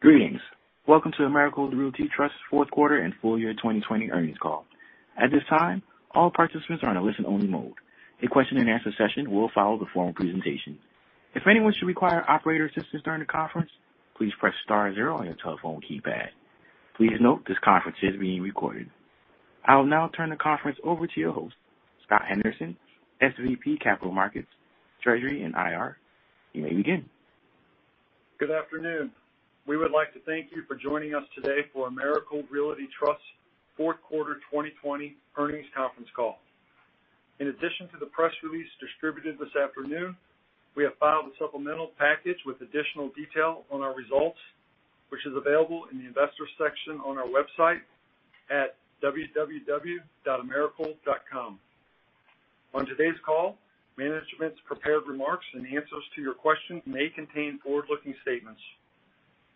Greetings. Welcome to Americold Realty Trust's fourth quarter and full year 2020 earnings call. At this time, all participants are on a listen-only mode. A question and answer session will follow the formal presentation. If anyone should require operator assistance during the conference, please press star zero on your telephone keypad. Please note this conference is being recorded. I will now turn the conference over to your host, Scott Henderson, SVP, Capital Markets, Treasury, and IR. You may begin. Good afternoon. We would like to thank you for joining us today for Americold Realty Trust's fourth quarter 2020 earnings conference call. In addition to the press release distributed this afternoon, we have filed a supplemental package with additional detail on our results, which is available in the Investors section on our website at www.americold.com. On today's call, management's prepared remarks and answers to your questions may contain forward-looking statements.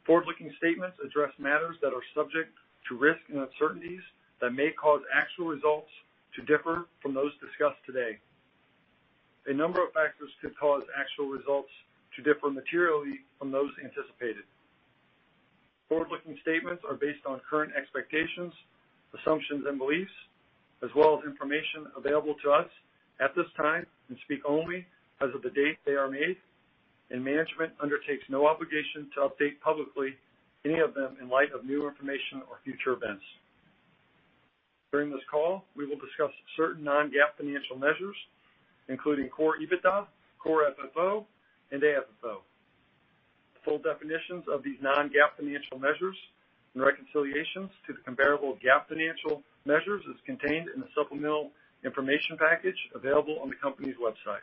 Forward-looking statements address matters that are subject to risks and uncertainties that may cause actual results to differ from those discussed today. A number of factors could cause actual results to differ materially from those anticipated. Forward-looking statements are based on current expectations, assumptions, and beliefs, as well as information available to us at this time and speak only as of the date they are made, and management undertakes no obligation to update publicly any of them in light of new information or future events. During this call, we will discuss certain non-GAAP financial measures, including Core EBITDA, Core FFO, and AFFO. Full definitions of these non-GAAP financial measures and reconciliations to the comparable GAAP financial measures is contained in the supplemental information package available on the company's website.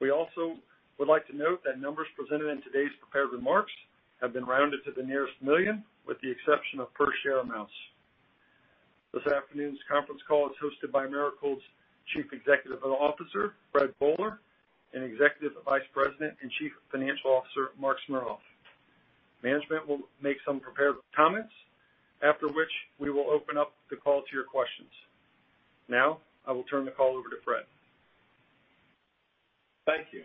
We also would like to note that numbers presented in today's prepared remarks have been rounded to the nearest million, with the exception of per share amounts. This afternoon's conference call is hosted by Americold's Chief Executive Officer, Fred Boehler, and Executive Vice President and Chief Financial Officer, Marc Smernoff. Management will make some prepared comments, after which we will open up the call to your questions. Now, I will turn the call over to Fred. Thank you,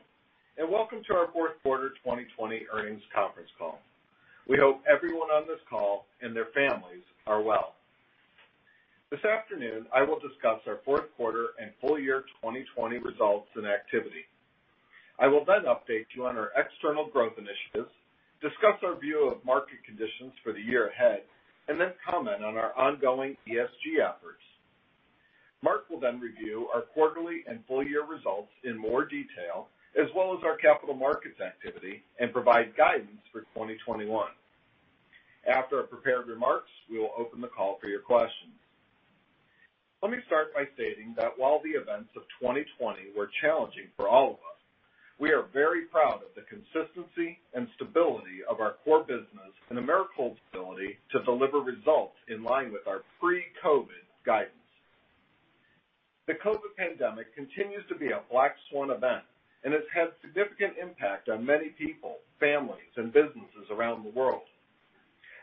and welcome to our fourth quarter 2020 earnings conference call. We hope everyone on this call and their families are well. This afternoon, I will discuss our fourth quarter and full year 2020 results and activity. I will then update you on our external growth initiatives, discuss our view of market conditions for the year ahead, and then comment on our ongoing ESG efforts. Marc will then review our quarterly and full-year results in more detail, as well as our capital markets activity, and provide guidance for 2021. After our prepared remarks, we will open the call for your questions. Let me start by stating that while the events of 2020 were challenging for all of us, we are very proud of the consistency and stability of our core business and Americold's ability to deliver results in line with our pre-COVID guidance. The COVID pandemic continues to be a black swan event and has had significant impact on many people, families, and businesses around the world.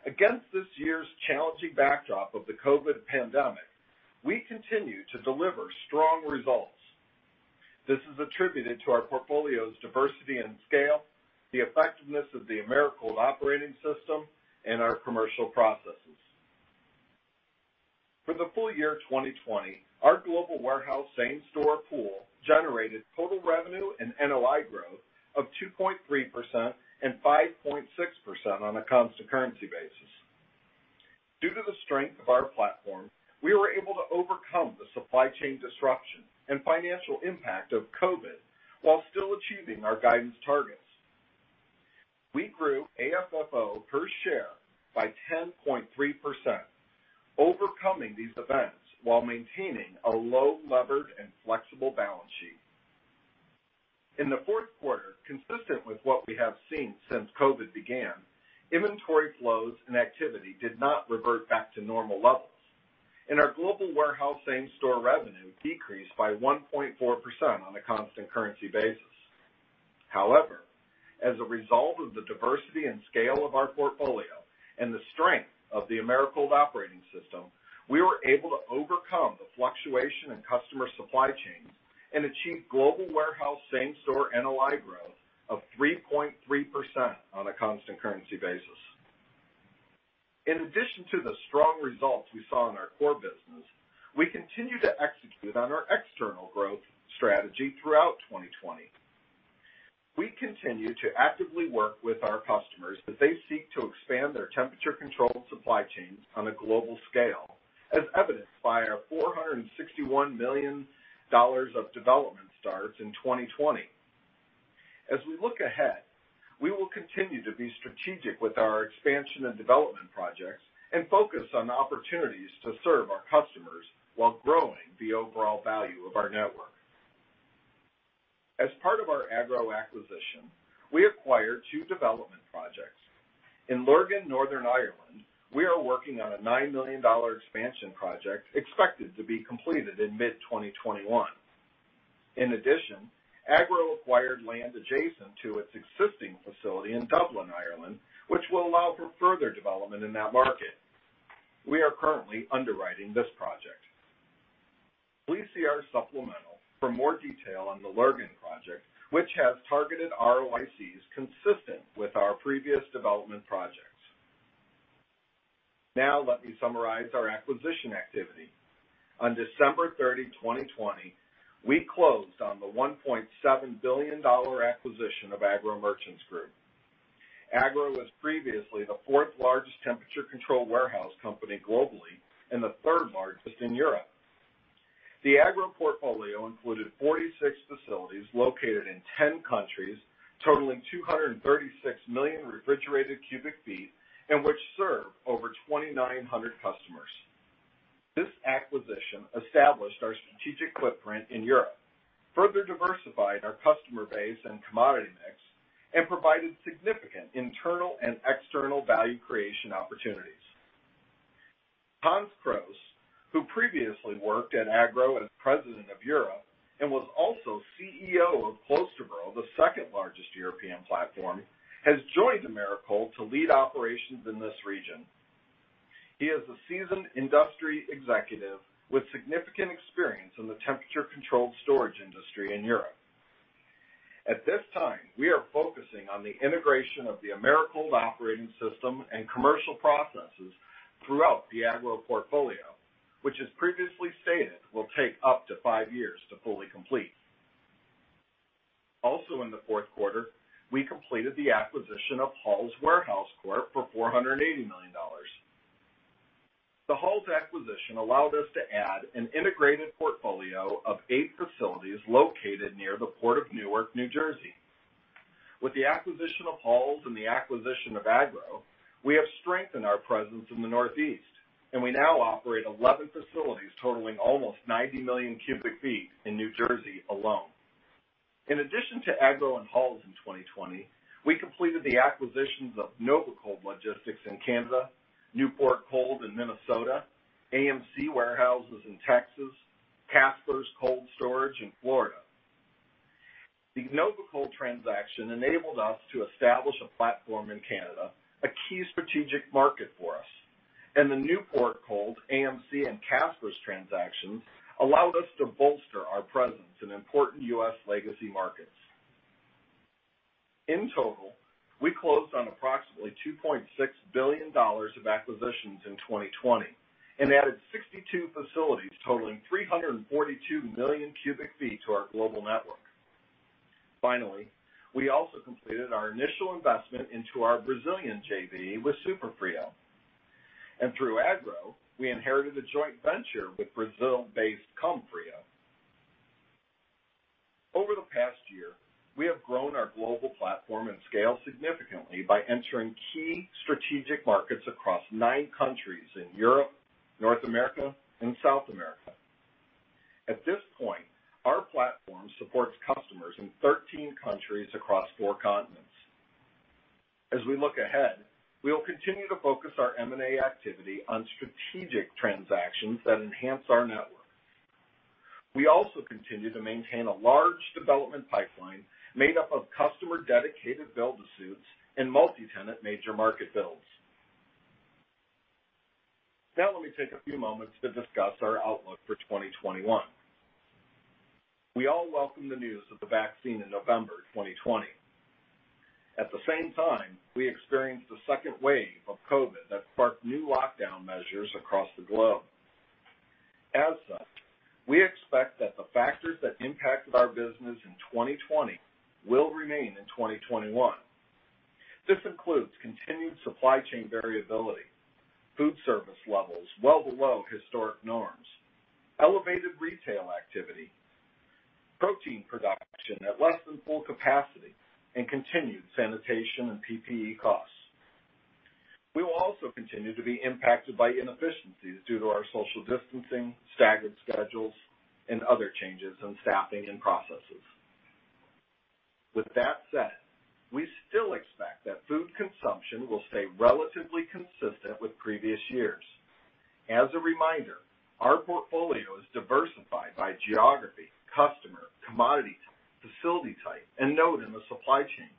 Against this year's challenging backdrop of the COVID pandemic, we continued to deliver strong results. This is attributed to our portfolio's diversity and scale, the effectiveness of the Americold Operating System, and our commercial processes. For the full year 2020, our global warehouse same-store pool generated total revenue and NOI growth of 2.3% and 5.6% on a constant currency basis. Due to the strength of our platform, we were able to overcome the supply chain disruption and financial impact of COVID while still achieving our guidance targets. We grew AFFO per share by 10.3%, overcoming these events while maintaining a low-levered and flexible balance sheet. In the fourth quarter, consistent with what we have seen since COVID began, inventory flows and activity did not revert back to normal levels, and our global warehouse same-store revenue decreased by 1.4% on a constant currency basis. However, as a result of the diversity and scale of our portfolio and the strength of the Americold Operating System, we were able to overcome the fluctuation in customer supply chains and achieve global warehouse same-store NOI growth of 3.3% on a constant currency basis. In addition to the strong results we saw in our core business, we continued to execute on our external growth strategy throughout 2020. We continue to actively work with our customers as they seek to expand their temperature-controlled supply chains on a global scale, as evidenced by our $461 million of development starts in 2020. As we look ahead, we will continue to be strategic with our expansion and development projects and focus on opportunities to serve our customers while growing the overall value of our network. As part of our Agro acquisition, we acquired two development projects. In Lurgan, Northern Ireland, we are working on a $9 million expansion project expected to be completed in mid-2021. In addition, Agro acquired land adjacent to its existing facility in Dublin, Ireland, which will allow for further development in that market. We are currently underwriting this project. See our supplemental for more detail on the Lurgan project, which has targeted ROICs consistent with our previous development projects. Now let me summarize our acquisition activity. On December 30, 2020, we closed on the $1.7 billion acquisition of Agro Merchants Group. Agro was previously the fourth largest temperature-controlled warehouse company globally and the third largest in Europe. The Agro portfolio included 46 facilities located in 10 countries, totaling 236 million refrigerated cubic feet, and which serve over 2,900 customers. This acquisition established our strategic footprint in Europe, further diversified our customer base and commodity mix, and provided significant internal and external value creation opportunities. Hans Kroes, who previously worked at Agro as president of Europe and was also CEO of Kloosterboer, the second largest European platform, has joined Americold to lead operations in this region. He is a seasoned industry executive with significant experience in the temperature-controlled storage industry in Europe. At this time, we are focusing on the integration of the Americold Operating System and commercial processes throughout the Agro portfolio, which, as previously stated, will take up to five years to fully complete. Also in the fourth quarter, we completed the acquisition of Hall's Warehouse Corp. for $480 million. The Hall's acquisition allowed us to add an integrated portfolio of eight facilities located near the Port of Newark, New Jersey. With the acquisition of Hall's and the acquisition of Agro, we have strengthened our presence in the Northeast, and we now operate 11 facilities totaling almost 90 million cubic feet in New Jersey alone. In addition to Agro and Hall's in 2020, we completed the acquisitions of Nova Cold Logistics in Canada, Newport Cold in Minnesota, AM-C Warehouses in Texas, Caspers Cold Storage in Florida. The Nova Cold transaction enabled us to establish a platform in Canada, a key strategic market for us. The Newport Cold, AM-C, and Caspers transactions allowed us to bolster our presence in important U.S. legacy markets. In total, we closed on approximately $2.6 billion of acquisitions in 2020 and added 62 facilities totaling 342 million cubic feet to our global network. Finally, we also completed our initial investment into our Brazilian JV with SuperFrio. Through Agro, we inherited a joint venture with Brazil-based Comfrio. Over the past year, we have grown our global platform and scale significantly by entering key strategic markets across nine countries in Europe, North America, and South America. At this point, our platform supports customers in 13 countries across four continents. As we look ahead, we will continue to focus our M&A activity on strategic transactions that enhance our network. We also continue to maintain a large development pipeline made up of customer-dedicated build-to-suits and multi-tenant major market builds. Now let me take a few moments to discuss our outlook for 2021. We all welcomed the news of the vaccine in November 2020. At the same time, we experienced the second wave of COVID that sparked new lockdown measures across the globe. As such, we expect that the factors that impacted our business in 2020 will remain in 2021. This includes continued supply chain variability, food service levels well below historic norms, elevated retail activity, protein production at less than full capacity, and continued sanitation and PPE costs. We will also continue to be impacted by inefficiencies due to our social distancing, staggered schedules, and other changes in staffing and processes. With that said, we still expect that food consumption will stay relatively consistent with previous years. As a reminder, our portfolio is diversified by geography, customer, commodity type, facility type, and node in the supply chain.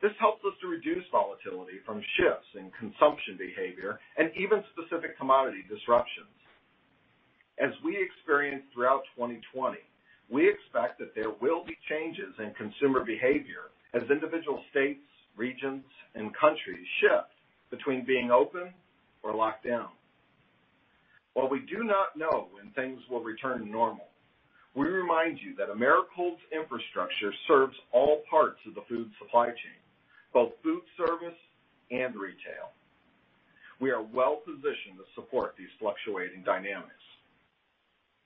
This helps us to reduce volatility from shifts in consumption behavior and even specific commodity disruptions. As we experienced throughout 2020, we expect that there will be changes in consumer behavior as individual states, regions, and countries shift between being open or locked down. While we do not know when things will return to normal, we remind you that Americold's infrastructure serves all parts of the food supply chain, both food service and retail. We are well-positioned to support these fluctuating dynamics.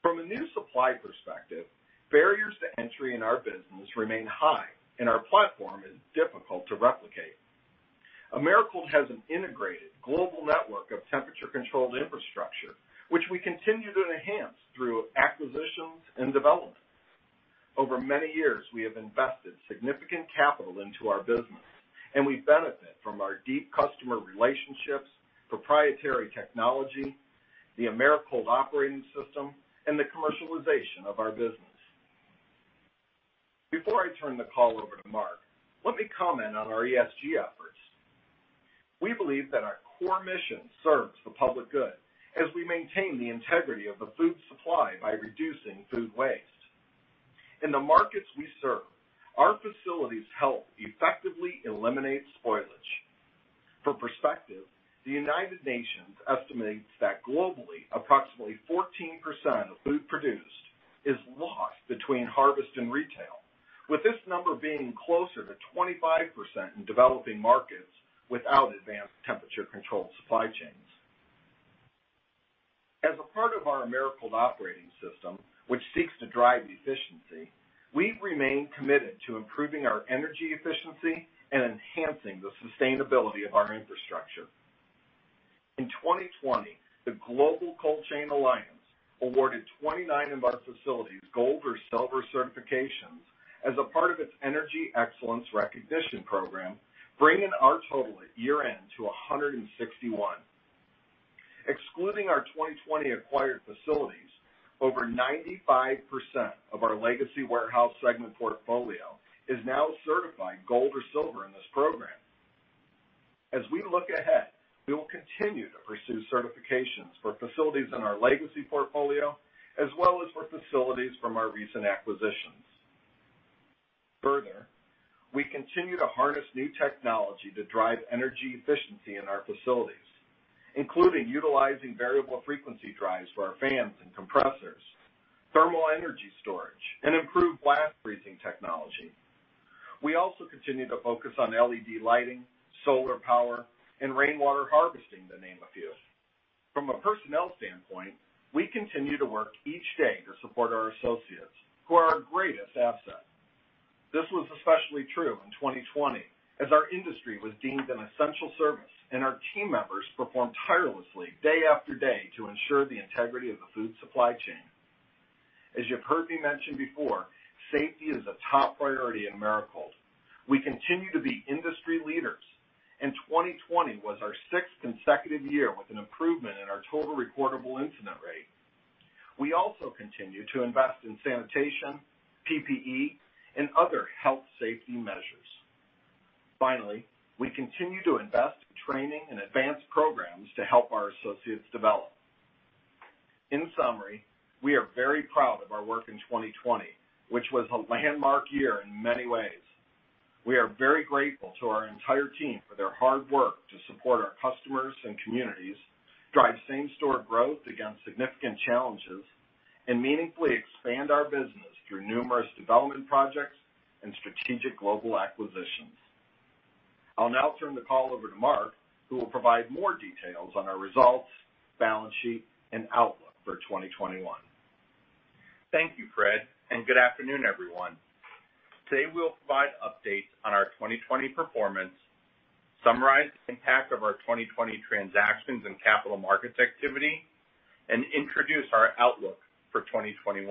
From a new supply perspective, barriers to entry in our business remain high, and our platform is difficult to replicate. Americold has an integrated global network of temperature-controlled infrastructure, which we continue to enhance through acquisitions and development. Over many years, we have invested significant capital into our business and we benefit from our deep customer relationships, proprietary technology, the Americold Operating System, and the commercialization of our business. Before I turn the call over to Marc, let me comment on our ESG efforts. We believe that our core mission serves the public good as we maintain the integrity of the food supply by reducing food waste. In the markets we serve, our facilities help effectively eliminate spoilage. For perspective, the United Nations estimates that globally, approximately 14% of food produced is lost between harvest and retail. With this number being closer to 25% in developing markets without advanced temperature-controlled supply chains. As a part of our Americold Operating System, which seeks to drive efficiency, we've remained committed to improving our energy efficiency and enhancing the sustainability of our infrastructure. In 2020, the Global Cold Chain Alliance awarded 29 of our facilities gold or silver certifications as a part of its Energy Excellence Recognition Program, bringing our total at year-end to 161. Excluding our 2020 acquired facilities, over 95% of our legacy warehouse segment portfolio is now certified gold or silver in this program. As we look ahead, we will continue to pursue certifications for facilities in our legacy portfolio, as well as for facilities from our recent acquisitions. Further, we continue to harness new technology to drive energy efficiency in our facilities, including utilizing variable frequency drives for our fans and compressors, thermal energy storage, and improved blast freezing technology. We also continue to focus on LED lighting, solar power, and rainwater harvesting, to name a few. From a personnel standpoint, we continue to work each day to support our associates, who are our greatest asset. This was especially true in 2020, as our industry was deemed an essential service, and our team members performed tirelessly day after day to ensure the integrity of the food supply chain. As you've heard me mention before, safety is a top priority at Americold. We continue to be industry leaders, and 2020 was our sixth consecutive year with an improvement in our total recordable incident rate. We also continue to invest in sanitation, PPE, and other health safety measures. Finally, we continue to invest in training and advanced programs to help our associates develop. In summary, we are very proud of our work in 2020, which was a landmark year in many ways. We are very grateful to our entire team for their hard work to support our customers and communities, drive same-store growth against significant challenges, and meaningfully expand our business through numerous development projects and strategic global acquisitions. I'll now turn the call over to Marc, who will provide more details on our results, balance sheet, and outlook for 2021. Thank you, Fred. Good afternoon, everyone. Today, we'll provide updates on our 2020 performance, summarize the impact of our 2020 transactions and capital markets activity, and introduce our outlook for 2021.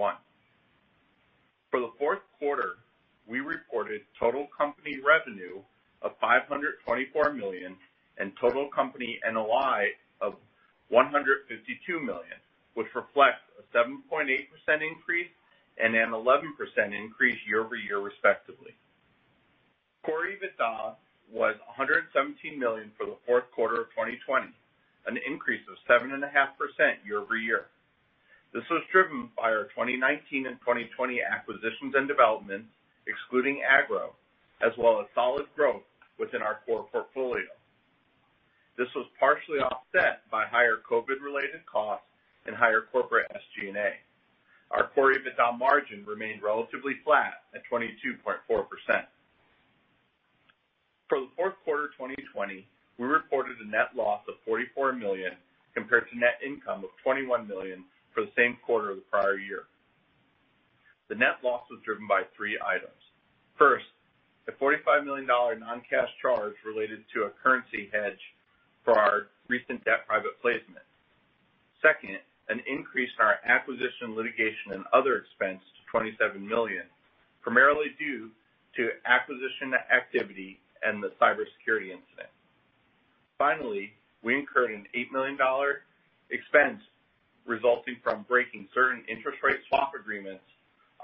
For the fourth quarter, we reported total company revenue of $524 million and total company NOI of $152 million, which reflects a 7.8% increase and an 11% increase year-over-year, respectively. Core EBITDA was $117 million for the fourth quarter of 2020, an increase of 7.5% year-over-year. This was driven by our 2019 and 2020 acquisitions and development, excluding Agro, as well as solid growth within our core portfolio. This was partially offset by higher COVID-related costs and higher corporate SG&A. Our Core EBITDA margin remained relatively flat at 22.4%. For the fourth quarter of 2020, we reported a net loss of $44 million compared to net income of $21 million for the same quarter of the prior year. The net loss was driven by three items. First, a $45 million non-cash charge related to a currency hedge for our recent debt private placement. Second, an increase in our acquisition litigation and other expense to $27 million, primarily due to acquisition activity and the cybersecurity incident. Finally, we incurred an $8 million expense resulting from breaking certain interest rate swap agreements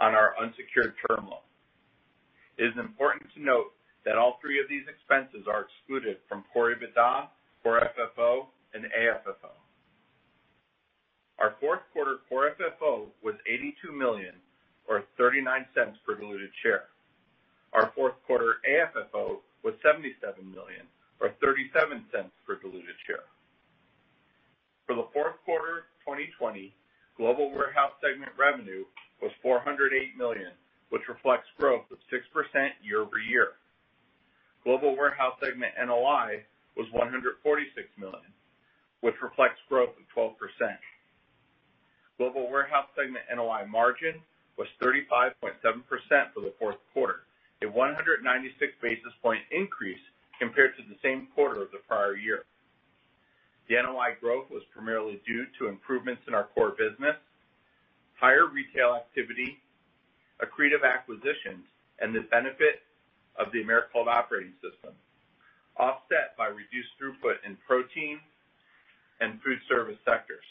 on our unsecured term loan. It is important to note that all three of these expenses are excluded from Core EBITDA, Core FFO, and AFFO. Our fourth quarter Core FFO was $82 million, or $0.39 per diluted share. Our fourth quarter AFFO was $77 million, or $0.37 per diluted share. For the fourth quarter 2020, global warehouse segment revenue was $408 million, which reflects growth of 6% year-over-year. Global warehouse segment NOI was $146 million, which reflects growth of 12%. Global warehouse segment NOI margin was 35.7% for the fourth quarter, a 196 basis point increase compared to the same quarter of the prior year. The NOI growth was primarily due to improvements in our core business, higher retail activity, accretive acquisitions, and the benefit of the Americold Operating System, offset by reduced throughput in protein and food service sectors.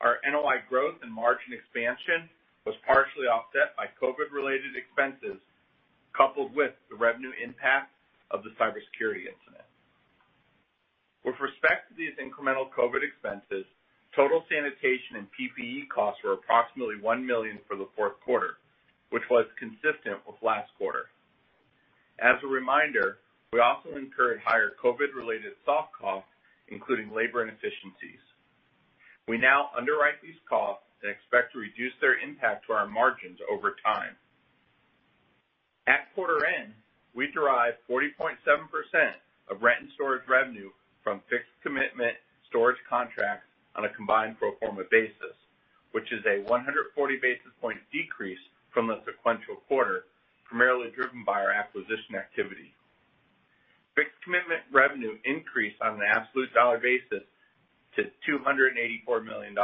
Our NOI growth and margin expansion was partially offset by COVID-related expenses, coupled with the revenue impact of the cybersecurity incident. With respect to these incremental COVID expenses, total sanitation and PPE costs were approximately $1 million for the fourth quarter, which was consistent with last quarter. As a reminder, we also incurred higher COVID-related soft costs, including labor inefficiencies. We now underwrite these costs and expect to reduce their impact to our margins over time. At quarter end, we derived 40.7% of rent and storage revenue from fixed-commitment storage contracts on a combined pro forma basis, which is a 140-basis-point decrease from the sequential quarter, primarily driven by our acquisition activity. Fixed-commitment revenue increased on an absolute dollar basis to $284 million.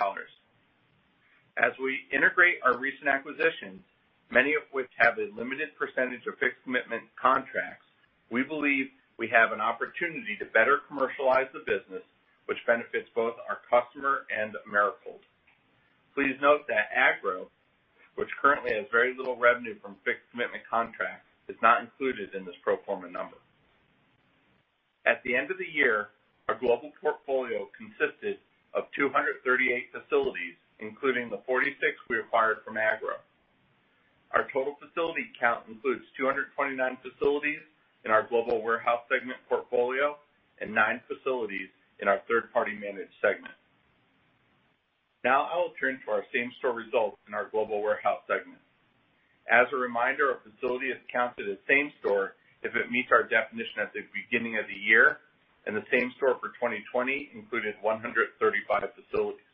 As we integrate our recent acquisitions, many of which have a limited percentage of fixed-commitment contracts, we believe we have an opportunity to better commercialize the business, which benefits both our customer and Americold. Please note that Agro, which currently has very little revenue from fixed-commitment contracts, is not included in this pro forma number. At the end of the year, our global portfolio consisted of 238 facilities, including the 46 we acquired from Agro. Our total facility count includes 229 facilities in our Global Warehouse segment portfolio and nine facilities in our Third Party Managed segment. Now I will turn to our same-store results in our Global Warehouse segment. As a reminder, a facility is counted as same-store if it meets our definition at the beginning of the year, and the same-store for 2020 included 135 facilities.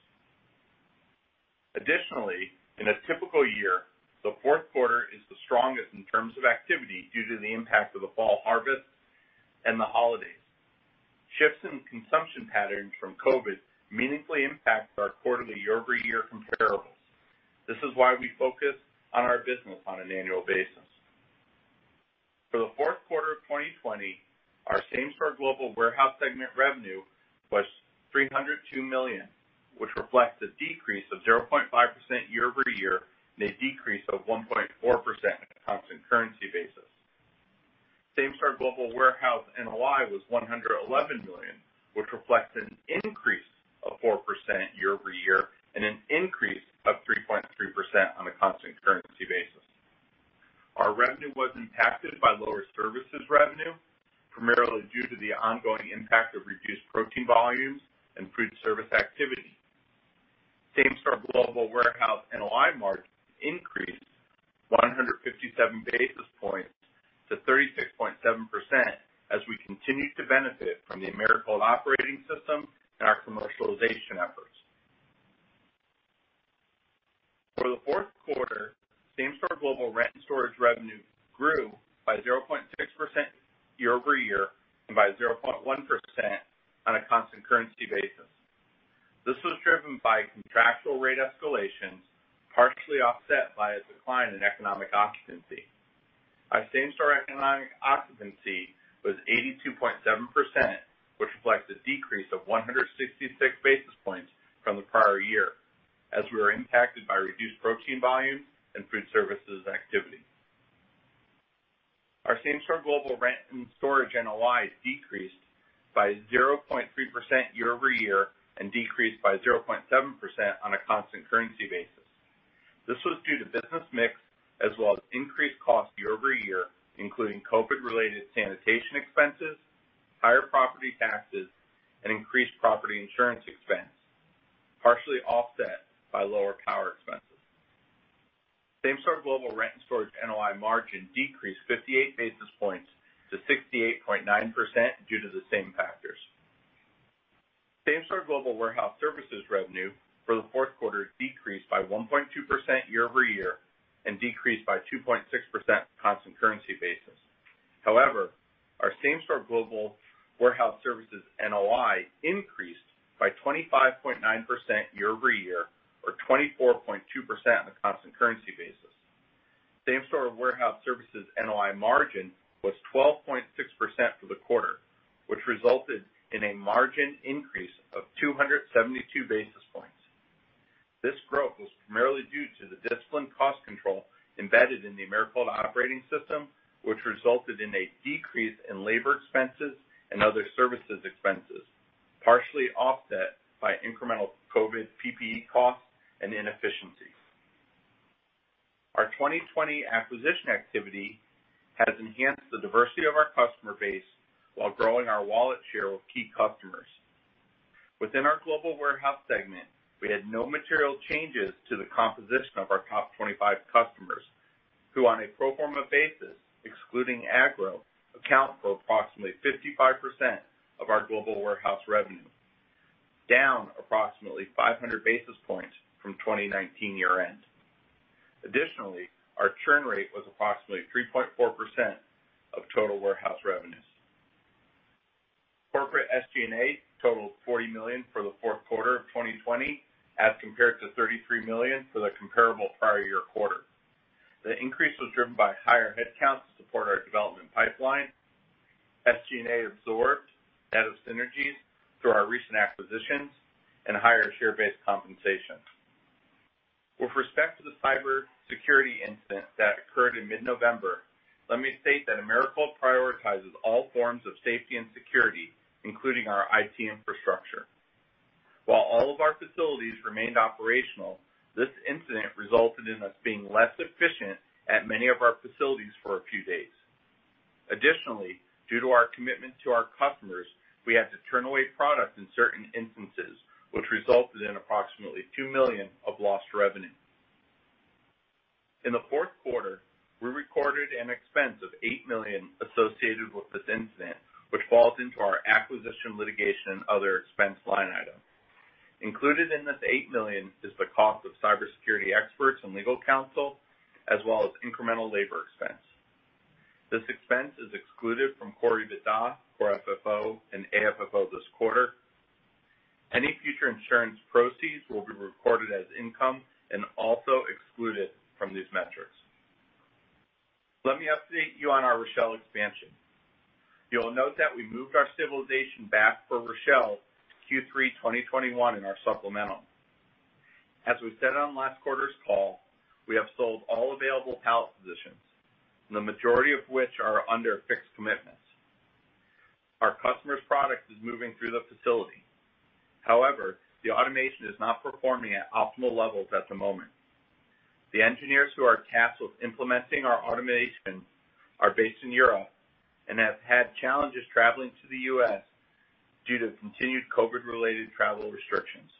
Additionally, in a typical year, the fourth quarter is the strongest in terms of activity due to the impact of the fall harvest and the holidays. Shifts in consumption patterns from COVID meaningfully impact our quarterly year-over-year comparables. This is why we focus on our business on an annual basis. For the fourth quarter of 2020, our same store Global Warehouse segment revenue was $302 million, which reflects a decrease of 0.5% year-over-year and a decrease of 1.4% on a constant currency basis. Same store Global Warehouse NOI was $111 million, which reflects an increase of 4% year-over-year and an increase of 3.3% on a constant currency basis. Our revenue was impacted by lower services revenue, primarily due to the ongoing impact of reduced protein volumes and food service activity. Same store Global Warehouse NOI margin increased 157 basis points to 36.7% as we continued to benefit from the Americold Operating System and our commercialization efforts. For the fourth quarter, same store global rent and storage revenue grew by 0.6% year-over-year and by 0.1% on a constant currency basis. This was driven by contractual rate escalations, partially offset by a decline in economic occupancy. Our same-store economic occupancy was 82.7%, which reflects a decrease of 166 basis points from the prior year as we were impacted by reduced protein volumes and food services activity. Our same-store global rent and storage NOI decreased by 0.3% year-over-year and decreased by 0.7% on a constant currency basis. This was due to business mix as well as increased costs year-over-year, including COVID-related sanitation expenses, higher property taxes, and increased property insurance expense, partially offset by lower power expenses. Same-store global rent and storage NOI margin decreased 58 basis points to 68.9% due to the same factors. Same-store global warehouse services revenue for the fourth quarter decreased by 1.2% year-over-year and decreased by 2.6% constant currency basis. Our same-store global warehouse services NOI increased by 25.9% year-over-year or 24.2% on a constant currency basis. Same store warehouse services NOI margin was 12.6% for the quarter, which resulted in a margin increase of 272 basis points. This growth was primarily due to the disciplined cost control embedded in the Americold Operating System, which resulted in a decrease in labor expenses and other services expenses, partially offset by incremental COVID PPE costs and inefficiencies. Our 2020 acquisition activity has enhanced the diversity of our customer base while growing our wallet share with key customers. Within our global warehouse segment, we had no material changes to the composition of our top 25 customers, who on a pro forma basis, excluding Agro, account for approximately 55% of our global warehouse revenue, down approximately 500 basis points from 2019 year-end. Additionally, our churn rate was approximately 3.4% of total warehouse revenues. Corporate SG&A totaled $40 million for the fourth quarter of 2020 as compared to $33 million for the comparable prior year quarter. The increase was driven by higher headcounts to support our development pipeline SG&A absorbed that of synergies through our recent acquisitions and higher share-based compensation. With respect to the cybersecurity incident that occurred in mid-November, let me state that Americold prioritizes all forms of safety and security, including our IT infrastructure. While all of our facilities remained operational, this incident resulted in us being less efficient at many of our facilities for a few days. Additionally, due to our commitment to our customers, we had to turn away product in certain instances, which resulted in approximately $2 million of lost revenue. In the fourth quarter, we recorded an expense of $8 million associated with this incident, which falls into our acquisition litigation and other expense line item. Included in this $8 million is the cost of cybersecurity experts and legal counsel, as well as incremental labor expense. This expense is excluded from Core EBITDA, Core FFO, and AFFO this quarter. Any future insurance proceeds will be recorded as income and also excluded from these metrics. Let me update you on our Rochelle expansion. You'll note that we moved our stabilization back for Rochelle to Q3 2021 in our supplemental. As we said on last quarter's call, we have sold all available pallet positions, the majority of which are under fixed-commitment storage contracts. Our customer's product is moving through the facility. The automation is not performing at optimal levels at the moment. The engineers who are tasked with implementing our automation are based in Europe and have had challenges traveling to the U.S. due to continued COVID-related travel restrictions.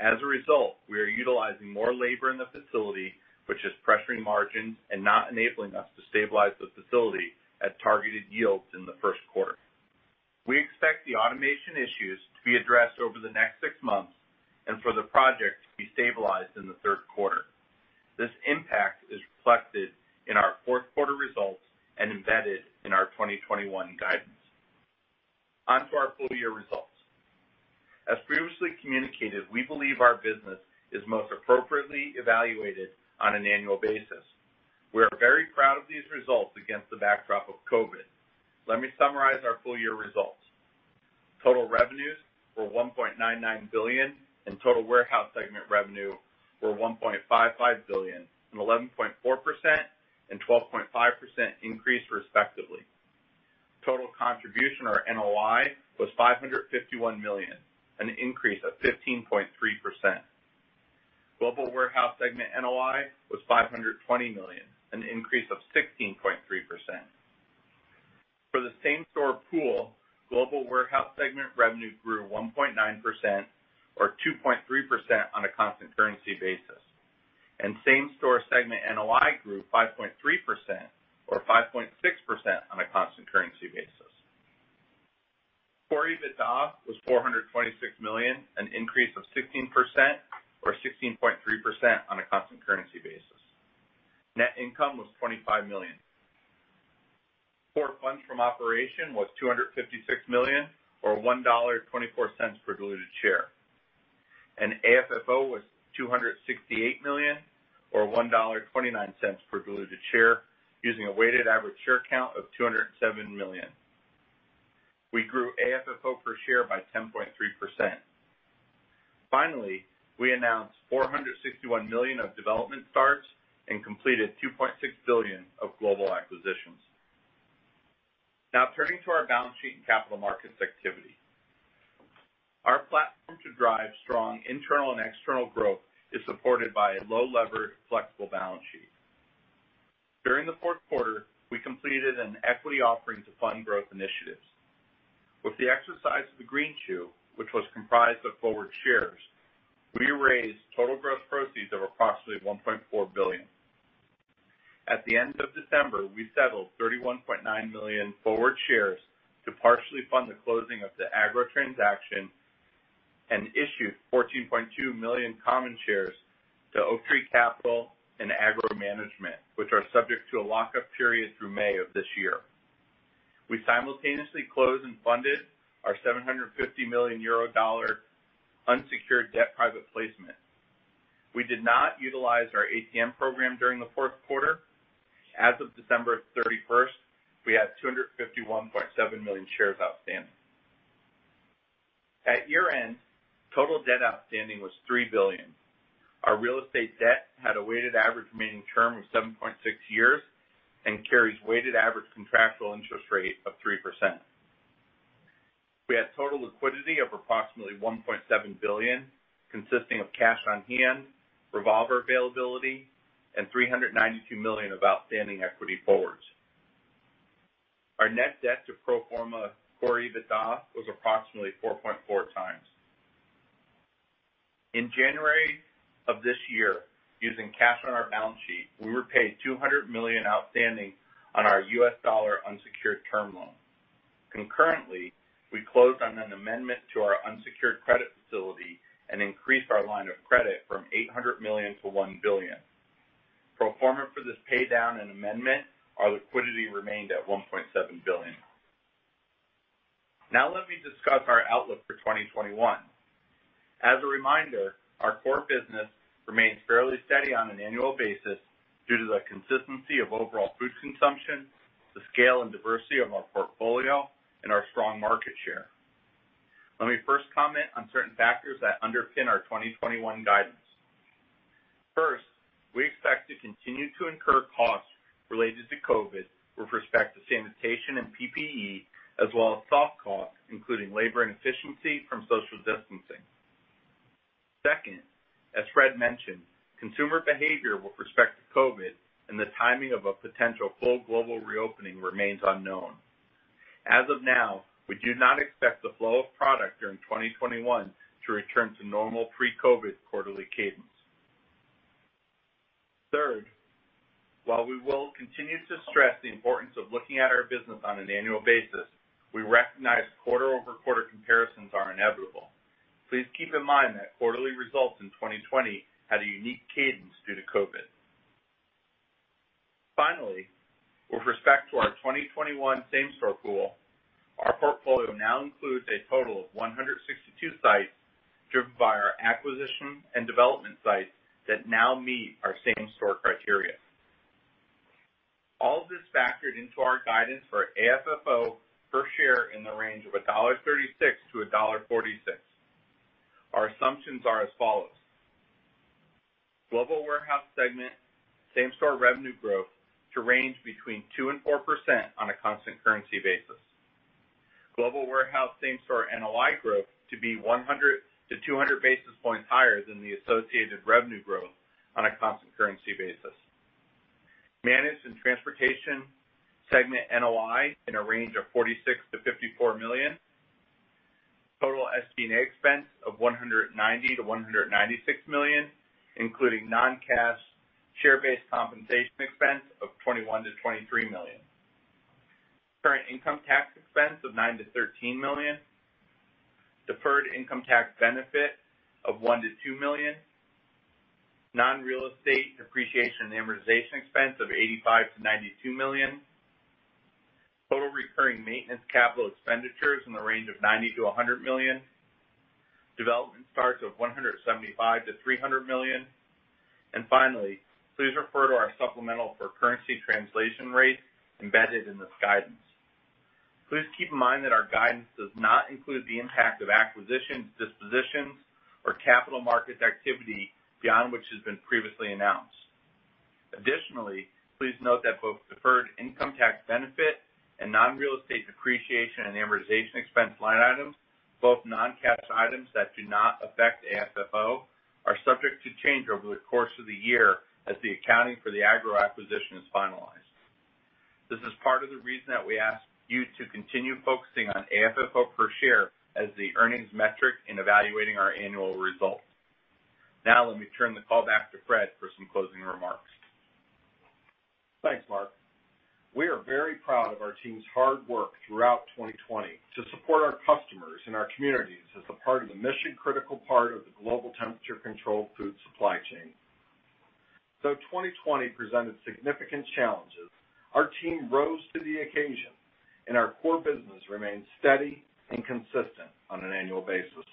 As a result, we are utilizing more labor in the facility, which is pressuring margins and not enabling us to stabilize the facility at targeted yields in the first quarter. We expect the automation issues to be addressed over the next six months, and for the project to be stabilized in the third quarter. This impact is reflected in our fourth quarter results and embedded in our 2021 guidance. On to our full-year results. As previously communicated, we believe our business is most appropriately evaluated on an annual basis. We are very proud of these results against the backdrop of COVID. Let me summarize our full-year results. Total revenues were $1.99 billion, and total warehouse segment revenue were $1.55 billion, an 11.4% and 12.5% increase respectively. Total contribution or NOI was $551 million, an increase of 15.3%. Global warehouse segment NOI was $520 million, an increase of 16.3%. For the same store pool, global warehouse segment revenue grew 1.9% or 2.3% on a constant currency basis. Same store segment NOI grew 5.3% or 5.6% on a constant currency basis. Core EBITDA was $426 million, an increase of 16% or 16.3% on a constant currency basis. Net income was $25 million. Core Funds from Operations was $256 million, or $1.24 per diluted share. AFFO was $268 million, or $1.29 per diluted share, using a weighted average share count of 207 million. We grew AFFO per share by 10.3%. Finally, we announced $461 million of development starts and completed $2.6 billion of global acquisitions. Now turning to our balance sheet and capital markets activity. Our platform to drive strong internal and external growth is supported by a low levered, flexible balance sheet. During the fourth quarter, we completed an equity offering to fund growth initiatives. With the exercise of the Greenshoe, which was comprised of forward shares, we raised total gross proceeds of approximately $1.4 billion. At the end of December, we settled 31.9 million forward shares to partially fund the closing of the Agro transaction and issued 14.2 million common shares to Oaktree Capital and Agro Management, which are subject to a lock-up period through May of this year. We simultaneously closed and funded our EUR 750 million unsecured debt private placement. We did not utilize our ATM program during the fourth quarter. As of December 31st, we had 251.7 million shares outstanding. At year-end, total debt outstanding was $3 billion. Our real estate debt had a weighted average remaining term of 7.6 years and carries weighted average contractual interest rate of 3%. We had total liquidity of approximately $1.7 billion, consisting of cash on hand, revolver availability, and $392 million of outstanding equity forwards. Our net debt to pro forma Core EBITDA was approximately 4.4x. In January of this year, using cash on our balance sheet, we repaid $200 million outstanding on our U.S. dollar unsecured term loan. Concurrently, we closed on an amendment to our unsecured credit facility and increased our line of credit from $800 million to $1 billion. Pro forma for this paydown and amendment, our liquidity remained at $1.7 billion. Let me discuss our outlook for 2021. As a reminder, our core business remains fairly steady on an annual basis due to the consistency of overall food consumption, the scale and diversity of our portfolio, and our strong market share. Let me first comment on certain factors that underpin our 2021 guidance. First, we expect to continue to incur costs related to COVID with respect to sanitation and PPE, as well as soft costs, including labor inefficiency from social distancing. Second, as Fred mentioned, consumer behavior with respect to COVID and the timing of a potential full global reopening remains unknown. As of now, we do not expect the flow of product during 2021 to return to normal pre-COVID quarterly cadence. Third, while we will continue to stress the importance of looking at our business on an annual basis, we recognize quarter-over-quarter comparisons are inevitable. Please keep in mind that quarterly results in 2020 had a unique cadence due to COVID. Finally, with respect to our 2021 same-store pool, our portfolio now includes a total of 162 sites driven by our acquisition and development sites that now meet our same-store criteria. All of this factored into our guidance for AFFO per share in the range of $1.36-$1.46. Our assumptions are as follows. Global Warehouse segment same-store revenue growth to range between 2%-4% on a constant currency basis. Global Warehouse same-store NOI growth to be 100-200 basis points higher than the associated revenue growth on a constant currency basis. Managed and Transportation segment NOI in a range of $46 million-$54 million. Total SG&A expense of $190 million-$196 million, including non-cash share-based compensation expense of $21 million-$23 million. Current income tax expense of $9 million-$13 million. Deferred income tax benefit of $1 million-$2 million. Non-real estate depreciation and amortization expense of $85 million-$92 million. Total recurring maintenance capital expenditures in the range of $90 million-$100 million. Development starts of $175 million-$300 million. Finally, please refer to our supplemental for currency translation rates embedded in this guidance. Please keep in mind that our guidance does not include the impact of acquisitions, dispositions, or capital markets activity beyond which has been previously announced. Additionally, please note that both deferred income tax benefit and non-real estate depreciation and amortization expense line items, both non-cash items that do not affect AFFO, are subject to change over the course of the year as the accounting for the Agro acquisition is finalized. This is part of the reason that we ask you to continue focusing on AFFO per share as the earnings metric in evaluating our annual results. Now, let me turn the call back to Fred for some closing remarks. Thanks, Marc. We are very proud of our team's hard work throughout 2020 to support our customers and our communities as a part of the mission-critical part of the global temperature-controlled food supply chain. 2020 presented significant challenges, our team rose to the occasion, and our core business remained steady and consistent on an annual basis.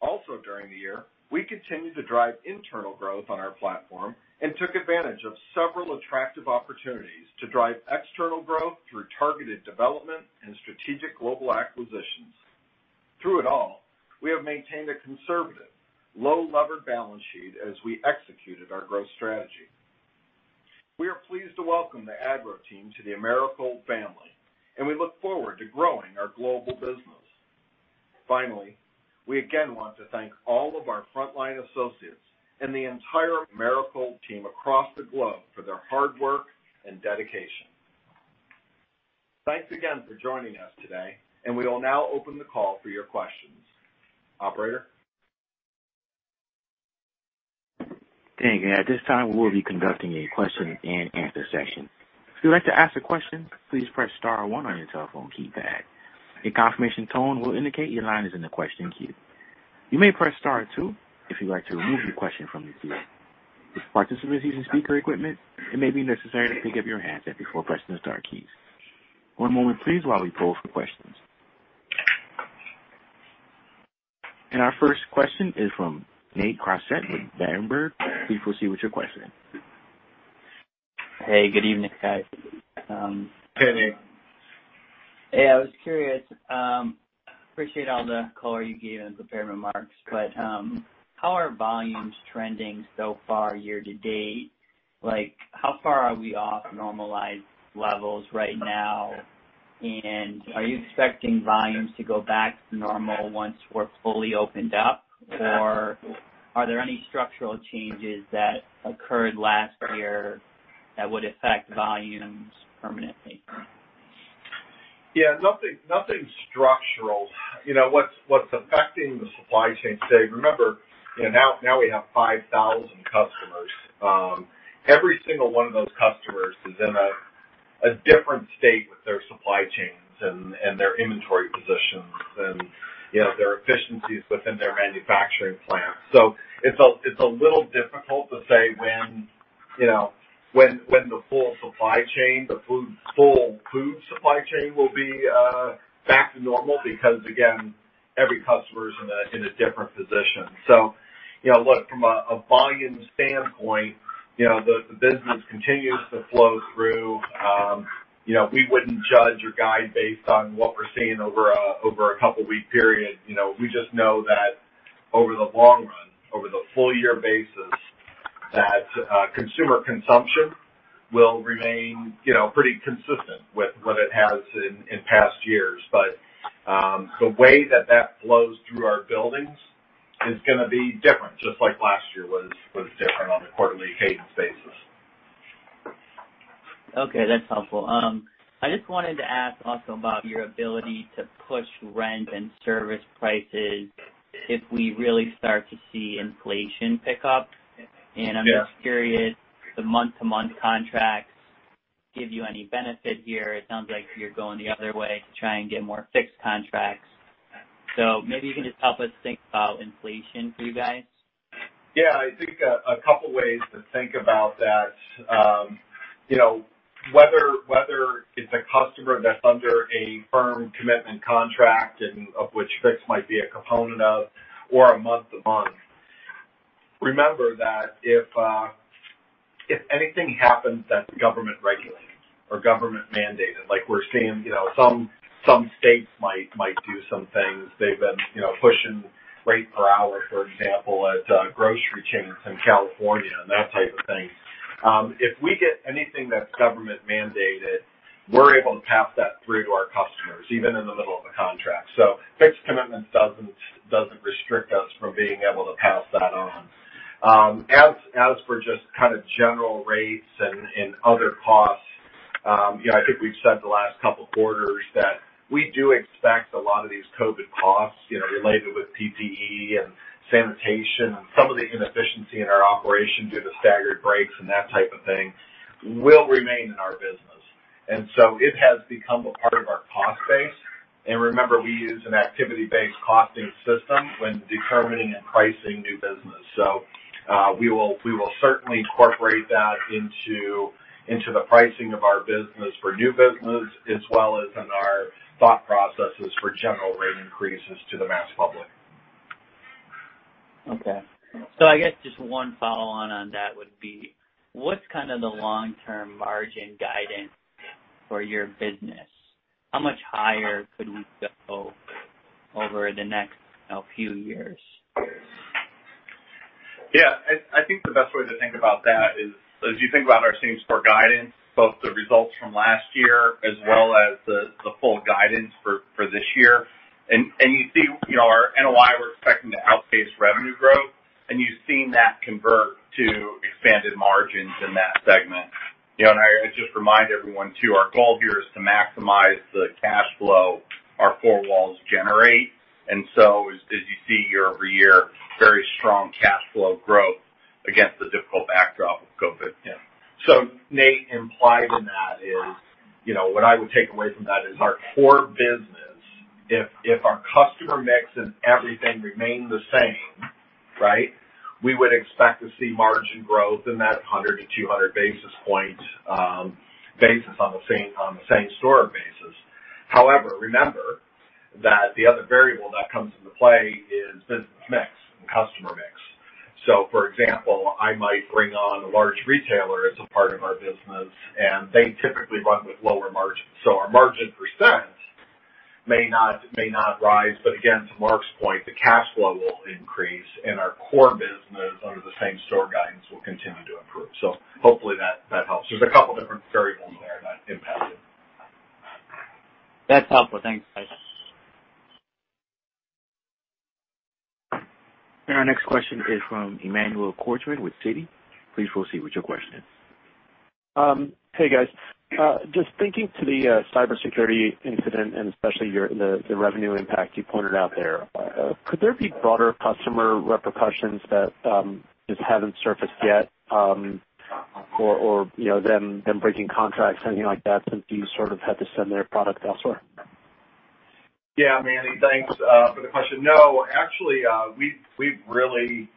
Also during the year, we continued to drive internal growth on our platform and took advantage of several attractive opportunities to drive external growth through targeted development and strategic global acquisitions. Through it all, we have maintained a conservative, low-levered balance sheet as we executed our growth strategy. We are pleased to welcome the Agro team to the Americold family, and we look forward to growing our global business. Finally, we again want to thank all of our frontline associates and the entire Americold team across the globe for their hard work and dedication. Thanks again for joining us today. We will now open the call for your questions. Operator? Thank you. At this time, we will be conducting a question and answer session. If you'd like to ask a question, please press star one on your telephone keypad. A confirmation tone will indicate your line is in the question queue. You may press star two if you'd like to remove your question from the queue. If a participant is using speaker equipment, it may be necessary to pick up your handset before pressing the star keys. One moment please while we poll for questions. Our first question is from Nate Crossett with Berenberg. Please proceed with your question. Hey, good evening, guys. Hey, Nate. Hey, I was curious. Appreciate all the color you gave in the prepared remarks. How are volumes trending so far year to date? How far are we off normalized levels right now? Are you expecting volumes to go back to normal once we're fully opened up? Are there any structural changes that occurred last year that would affect volumes permanently? Yeah, nothing structural. What's affecting the supply chain today, remember, now we have 5,000 customers. Every single one of those customers is in a different state with their supply chains and their inventory positions and their efficiencies within their manufacturing plants. It's a little difficult to say when the full supply chain, the full food supply chain will be back to normal, because again, every customer is in a different position. Look, from a volume standpoint, the business continues to flow through. We wouldn't judge or guide based on what we're seeing over a couple of week period. We just know that over the long run, over the full year basis, that consumer consumption will remain pretty consistent with what it has in past years. The way that that flows through our buildings is going to be different, just like last year was different on a quarterly cadence basis. That's helpful. I just wanted to ask also about your ability to push rent and service prices if we really start to see inflation pick up. Yes. I'm just curious, the month-to-month contracts give you any benefit here? It sounds like you're going the other way to try and get more fixed contracts. Maybe you can just help us think about inflation for you guys. I think a couple ways to think about that. Whether it's a customer that's under a firm commitment contract, and of which fixed might be a component of, or a month-to-month, remember that if anything happens that's government regulated or government mandated, like we're seeing some states might do some things. They've been pushing rate per hour, for example, at grocery chains in California and that type of thing. If we get anything that's government mandated, we're able to pass that through to our customers, even in the middle of a contract. Fixed-commitment doesn't restrict us from being able to pass that on. As for just kind of general rates and other costs, I think we've said the last couple of quarters that we do expect a lot of these COVID costs related with PPE and sanitation and some of the inefficiency in our operation due to staggered breaks and that type of thing, will remain in our business. It has become a part of our cost base. Remember, we use an activity-based costing system when determining and pricing new business. We will certainly incorporate that into the pricing of our business for new business as well as in our thought processes for general rate increases to the mass public. Okay. I guess just one follow-on on that would be, what's kind of the long-term margin guidance for your business? How much higher could we go over the next few years? Yeah. I think the best way to think about that is as you think about our same store guidance, both the results from last year as well as the full guidance for this year. You see our NOI, we're expecting to outpace revenue growth, and you've seen that convert to expanded margins in that segment. I just remind everyone, too, our goal here is to maximize the cash flow our four walls generate. Nate, implied in that is, what I would take away from that is our core business. If our customer mix and everything remained the same, we would expect to see margin growth in that 100-200 basis point basis on the same store basis. Remember that the other variable that comes into play is business mix and customer mix. For example, I might bring on a large retailer as a part of our business, and they typically run with lower margins. Our margin percent may not rise. Again, to Marc's point, the cash flow will increase and our core business under the same-store guidance will continue to improve. Hopefully that helps. There's a couple different variables there that impact it. That's helpful. Thanks, guys. Our next question is from Emmanuel Korchman with Citi. Please proceed with your question. Hey, guys. Just thinking to the cybersecurity incident and especially the revenue impact you pointed out there, could there be broader customer repercussions that just haven't surfaced yet? Them breaking contracts, anything like that, since you sort of had to send their product elsewhere? Yeah, Manny, thanks for the question. No, actually, we've really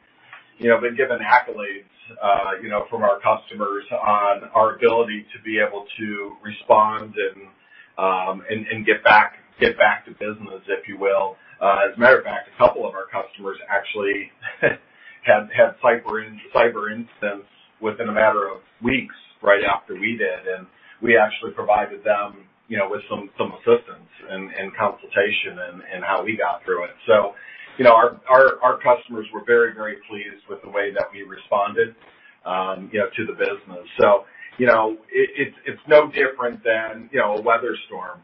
been given accolades from our customers on our ability to be able to respond and get back to business, if you will. As a matter of fact, a couple of our customers actually had cyber incidents within a matter of weeks right after we did, and we actually provided them with some assistance and consultation in how we got through it. Our customers were very, very pleased with the way that we responded to the business. It's no different than a weather storm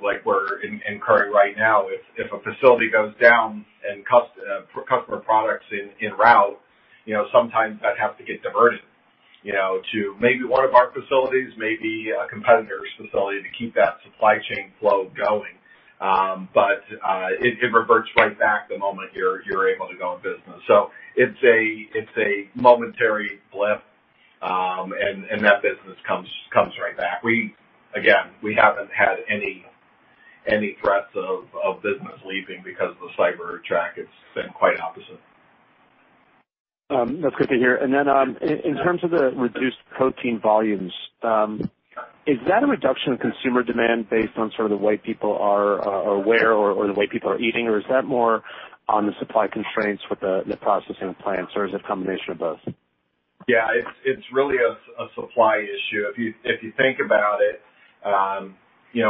like we're incurring right now. If a facility goes down and customer products en route, sometimes that has to get diverted to maybe one of our facilities, maybe a competitor's facility to keep that supply chain flow going. It reverts right back the moment you're able to go in business. It's a momentary blip. That business comes right back. Again, we haven't had any threats of business leaving because of the cyber track, it's been quite opposite. That's good to hear. Then in terms of the reduced protein volumes, is that a reduction in consumer demand based on sort of the way people are aware or the way people are eating? Or is that more on the supply constraints with the processing plants, or is it a combination of both? Yeah. It's really a supply issue. If you think about it,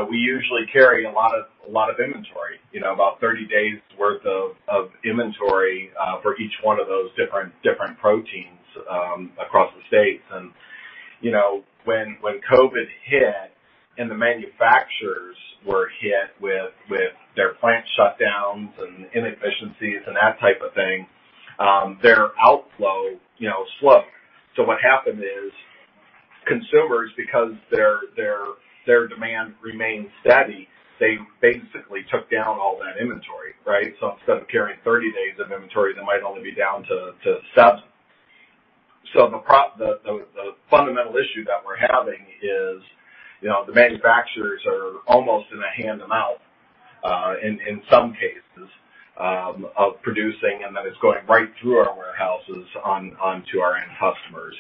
we usually carry a lot of inventory, about 30 days worth of inventory for each one of those different proteins across the states. When COVID hit and the manufacturers were hit with their plant shutdowns and inefficiencies and that type of thing, their outflow slowed. What happened is, consumers, because their demand remained steady, they basically took down all that inventory, right? Instead of carrying 30 days of inventory, they might only be down to seven. The fundamental issue that we're having is the manufacturers are almost in a hand-to-mouth, in some cases, of producing, and then it's going right through our warehouses onto our end customers,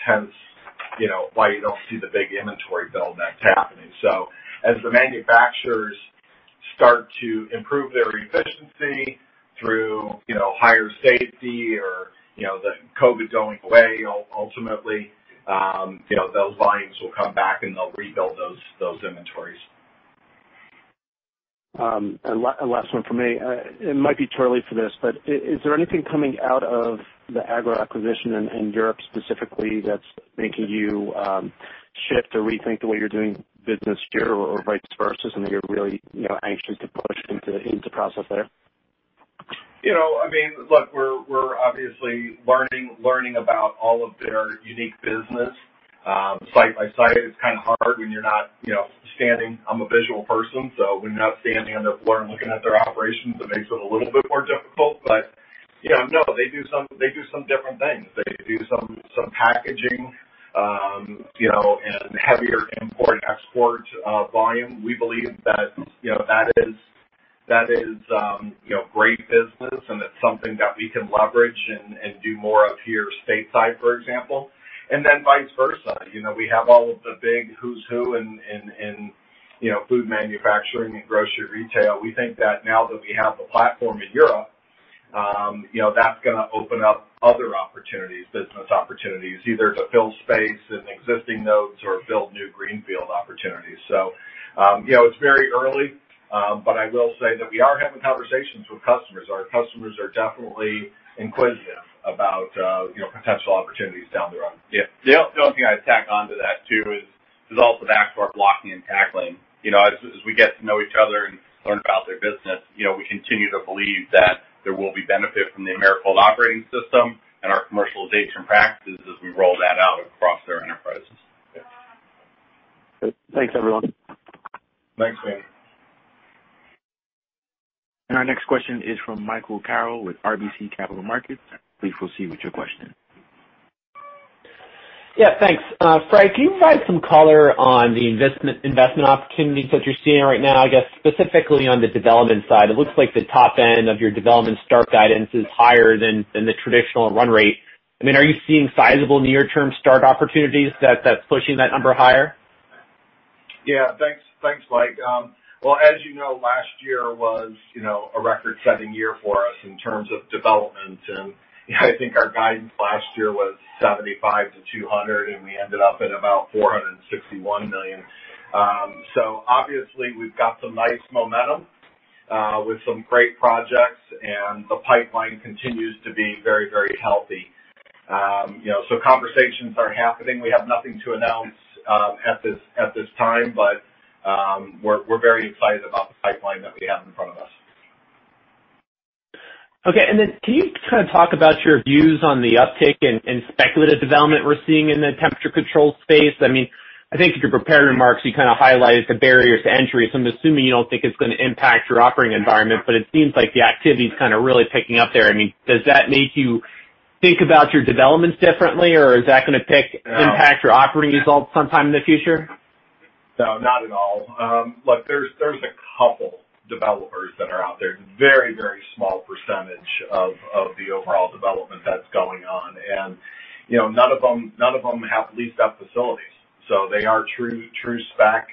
hence, why you don't see the big inventory build-backs happening. As the manufacturers start to improve their efficiency through higher safety or the COVID going away, ultimately, those volumes will come back, and they'll rebuild those inventories. Last one from me. It might be too early for this, but is there anything coming out of the Agro acquisition in Europe specifically that's making you shift or rethink the way you're doing business here or vice versa? Something you're really anxious to push into process there? Look, we're obviously learning about all of their unique business site by site. It's kind of hard when you're not standing. I'm a visual person, so when you're not standing on their floor and looking at their operations, it makes it a little bit more difficult. No, they do some different things. They do some packaging and heavier import-export volume. We believe that is great business and it's something that we can leverage and do more of here stateside, for example. Vice versa. We have all of the big who's who in food manufacturing and grocery retail. We think that now that we have the platform in Europe, that's going to open up other opportunities, business opportunities, either to build space in existing nodes or build new greenfield opportunities. It's very early. I will say that we are having conversations with customers. Our customers are definitely inquisitive about potential opportunities down the road. Yeah. The other thing I'd tack onto that, too, is it's also back to our blocking and tackling. As we get to know each other and learn about their business, we continue to believe that there will be benefit from the Americold Operating System and our commercialization practices as we roll that out across their enterprises. Good. Thanks, everyone. Thanks, Manny. Our next question is from Michael Carroll with RBC Capital Markets. Please proceed with your question. Yeah. Thanks. Fred, can you provide some color on the investment opportunities that you're seeing right now, I guess specifically on the development side? It looks like the top end of your development start guidance is higher than the traditional run rate. Are you seeing sizable near-term start opportunities that's pushing that number higher? Yeah, thanks, Mike. Well, as you know, last year was a record-setting year for us in terms of development, and I think our guidance last year was $75 million-$200 million, and we ended up at about $461 million. Obviously we've got some nice momentum with some great projects, and the pipeline continues to be very healthy. Conversations are happening. We have nothing to announce at this time, but we're very excited about the pipeline that we have in front of us. Okay. Can you kind of talk about your views on the uptick in speculative development we're seeing in the temperature-controlled space? I think in your prepared remarks, you kind of highlighted the barriers to entry, so I'm assuming you don't think it's going to impact your operating environment, but it seems like the activity's kind of really picking up there. Does that make you think about your developments differently, or is that going to impact your operating results sometime in the future? No, not at all. Look, there's a couple developers that are out there. Very small percentage of the overall development that's going on. None of them have leased up facilities, so they are true spec.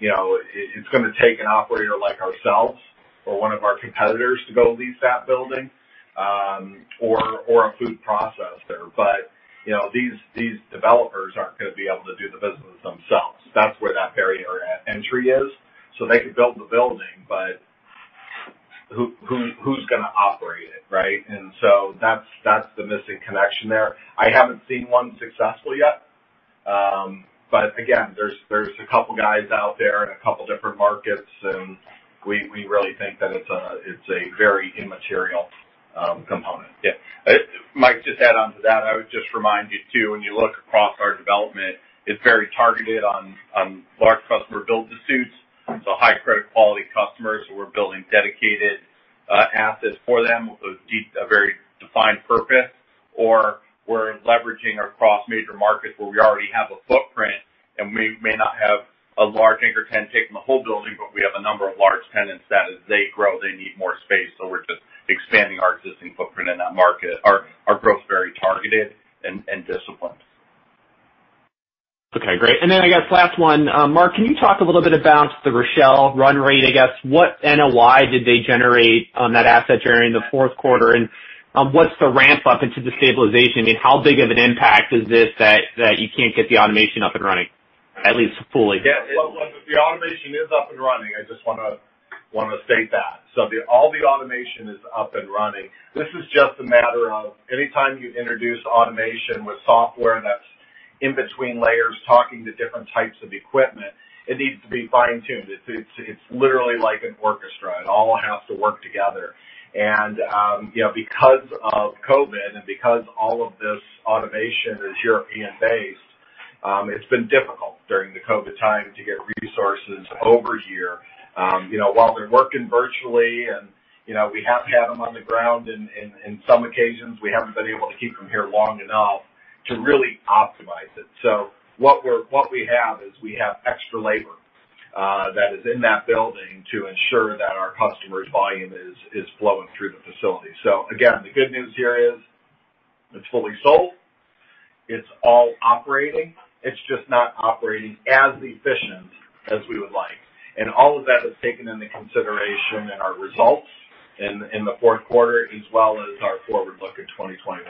It's going to take an operator like ourselves or one of our competitors to go lease that building, or a food processor. These developers aren't going to be able to do the business themselves. That's where that barrier entry is. They could build the building, but who's going to operate it, right? That's the missing connection there. I haven't seen one successful yet. Again, there's a couple guys out there in a couple different markets, and we really think that it's a very immaterial component. Yeah. Mike, just to add onto that, I would just remind you, too, when you look across our development, it's very targeted on large customer build to suits. High credit quality customers who we're building dedicated assets for them with a very defined purpose, or we're leveraging across major markets where we already have a footprint, and we may not have a large anchor tenant taking the whole building, but we have a number of large tenants that as they grow, they need more space. We're just expanding our existing footprint in that market. Our growth is very targeted and disciplined. Okay, great. I guess last one. Marc, can you talk a little bit about the Rochelle run rate, I guess? What NOI did they generate on that asset during the fourth quarter, and what's the ramp up into the stabilization? How big of an impact is this that you can't get the automation up and running, at least fully? Yes. Look, the automation is up and running. I just want to state that. All the automation is up and running. This is just a matter of anytime you introduce automation with software that's in between layers talking to different types of equipment, it needs to be fine-tuned. It's literally like an orchestra. It all has to work together. Because of COVID and because all of this automation is European-based, it's been difficult during the COVID time to get resources over here. While they're working virtually, and we have to have them on the ground, in some occasions, we haven't been able to keep them here long enough to really optimize it. What we have is we have extra labor that is in that building to ensure that our customers' volume is flowing through the facility. Again, the good news here is it's fully sold. It's all operating. It's just not operating as efficient as we would like. All of that is taken into consideration in our results in the fourth quarter, as well as our forward look in 2021.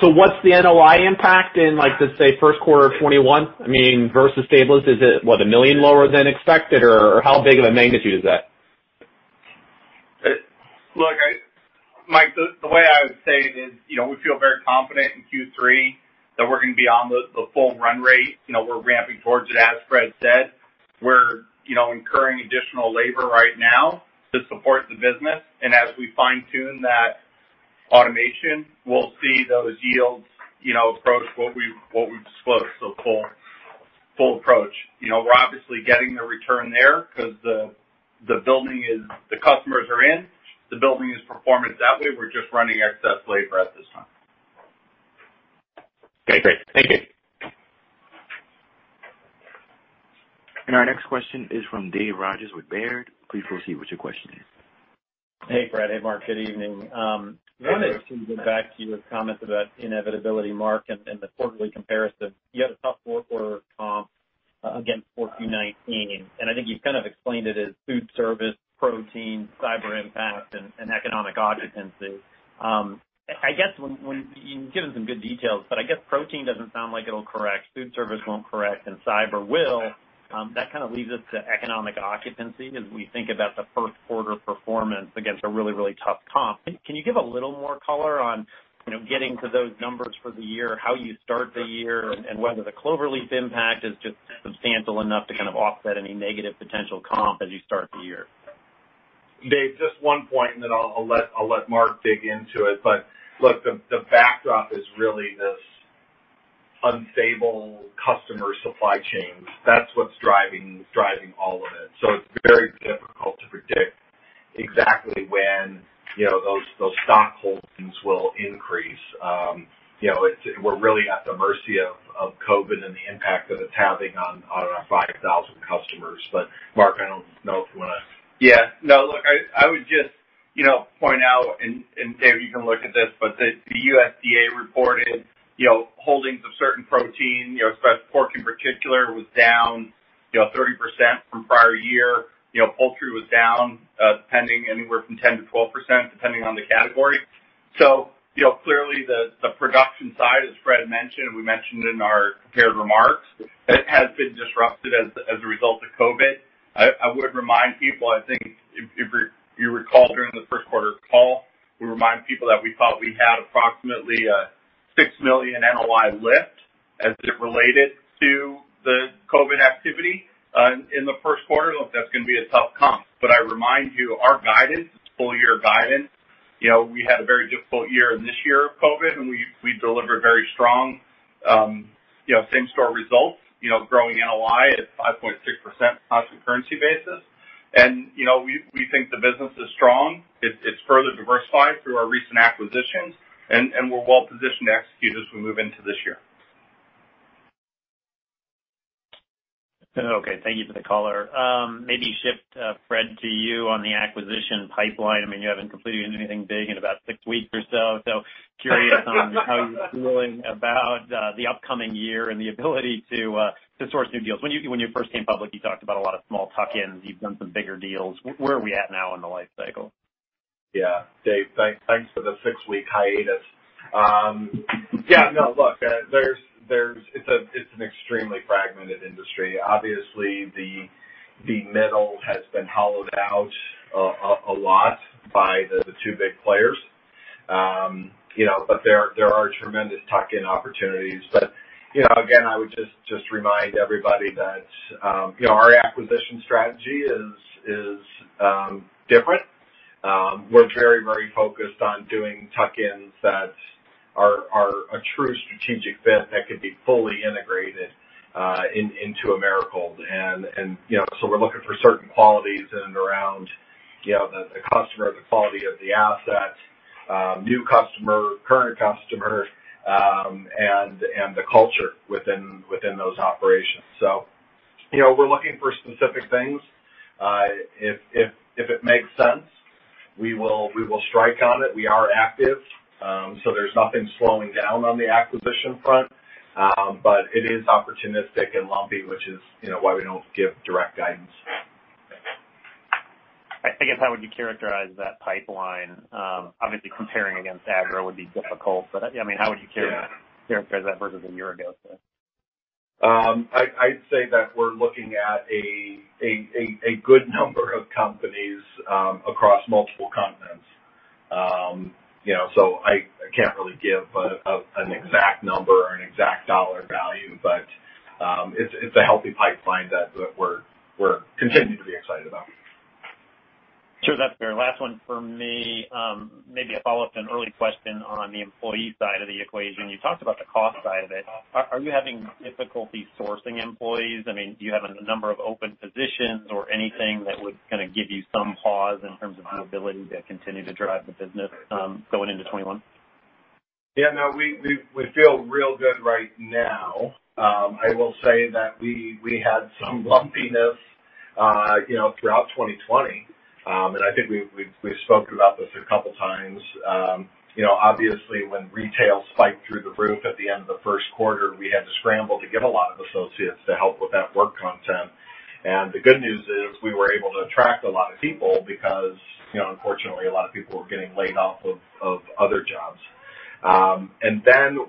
What's the NOI impact in, let's say, first quarter of 2021, versus stabilized? Is it, what, $1 million lower than expected, or how big of a magnitude is that? Look, Mike, the way I would say it is we feel very confident in Q3 that we're going to be on the full run rate. We're ramping towards it, as Fred said. We're incurring additional labor right now to support the business. As we fine-tune that automation, we'll see those yields approach what we've disclosed, so full approach. We're obviously getting the return there because the customers are in, the building is performing. It's that way, we're just running excess labor at this time. Okay, great. Thank you. Our next question is from Dave Rodgers with Baird. Please proceed with your question. Hey, Fred. Hey, Marc. Good evening. Hey, Dave. I wanted to go back to your comments about inevitability, Marc, and the quarterly comparison. You had a tough fourth quarter comp against 4Q 2019, and I think you've kind of explained it as food service, protein, cyber impact, and economic occupancy. You've given some good details, but I guess protein doesn't sound like it'll correct, food service won't correct, and cyber will. That kind of leaves us to economic occupancy as we think about the first quarter performance against a really tough comp. Can you give a little more color on getting to those numbers for the year, how you start the year, and whether the Cloverleaf impact is just substantial enough to kind of offset any negative potential comp as you start the year? Dave, just one point, and then I'll let Marc dig into it, but look, the backdrop is really this unstable customer supply chain. That's what's driving all of it. It's very difficult to predict exactly when those stock holdings will increase. We're really at the mercy of COVID and the impact that it's having on our 5,000 customers. Marc, I don't know if you want to. Yeah, no. Look, I would just point out, and Dave, you can look at this, the USDA reported holdings of certain protein, especially pork in particular, was down 30% from prior year. Poultry was down anywhere from 10%-12%, depending on the category. Clearly, the production side, as Fred mentioned, we mentioned in our prepared remarks, it has been disrupted as a result of COVID. I would remind people, I think if you recall during the first quarter call, we remind people that we thought we had approximately a $6 million NOI lift as it related to the COVID activity in the first quarter. Look, that's going to be a tough comp. I remind you, our guidance, full year guidance, we had a very difficult year this year with COVID, and we delivered very strong same-store results, growing NOI at 5.6% constant currency basis. We think the business is strong. It's further diversified through our recent acquisitions, and we're well positioned to execute as we move into this year. Okay. Thank you for the color. Maybe shift, Fred, to you on the acquisition pipeline. You haven't completed anything big in about six weeks or so. Curious on how you're feeling about the upcoming year and the ability to source new deals. When you first came public, you talked about a lot of small tuck-ins. You've done some bigger deals. Where are we at now in the life cycle? Yeah. Dave, thanks for the six-week hiatus. Yeah, no. Look, it's an extremely fragmented industry. Obviously, the middle has been hollowed out a lot by the two big players. There are tremendous tuck-in opportunities. Again, I would just remind everybody that our acquisition strategy is different. We're very, very focused on doing tuck-ins that are a true strategic fit that could be fully integrated into Americold. We're looking for certain qualities in and around the customer, the quality of the asset, new customer, current customer, and the culture within those operations. We're looking for specific things. If it makes sense, we will strike on it. We are active. There's nothing slowing down on the acquisition front. It is opportunistic and lumpy, which is why we don't give direct guidance. I think it's how would you characterize that pipeline? Obviously comparing against Agro would be difficult, but how would you characterize that versus a year ago? I'd say that we're looking at a good number of companies across multiple continents. I can't really give an exact number or an exact dollar value, but it's a healthy pipeline that we're continuing to be excited about. Sure. That's fair. Last one from me, maybe a follow-up on an early question on the employee side of the equation. You talked about the cost side of it. Are you having difficulty sourcing employees? Do you have a number of open positions or anything that would kind of give you some pause in terms of your ability to continue to drive the business going into 2021? We feel real good right now. I will say that we had some lumpiness throughout 2020, and I think we've spoken about this a couple of times. Obviously, when retail spiked through the roof at the end of the first quarter, we had to scramble to get a lot of associates to help with that work content. The good news is we were able to attract a lot of people because, unfortunately, a lot of people were getting laid off of other jobs.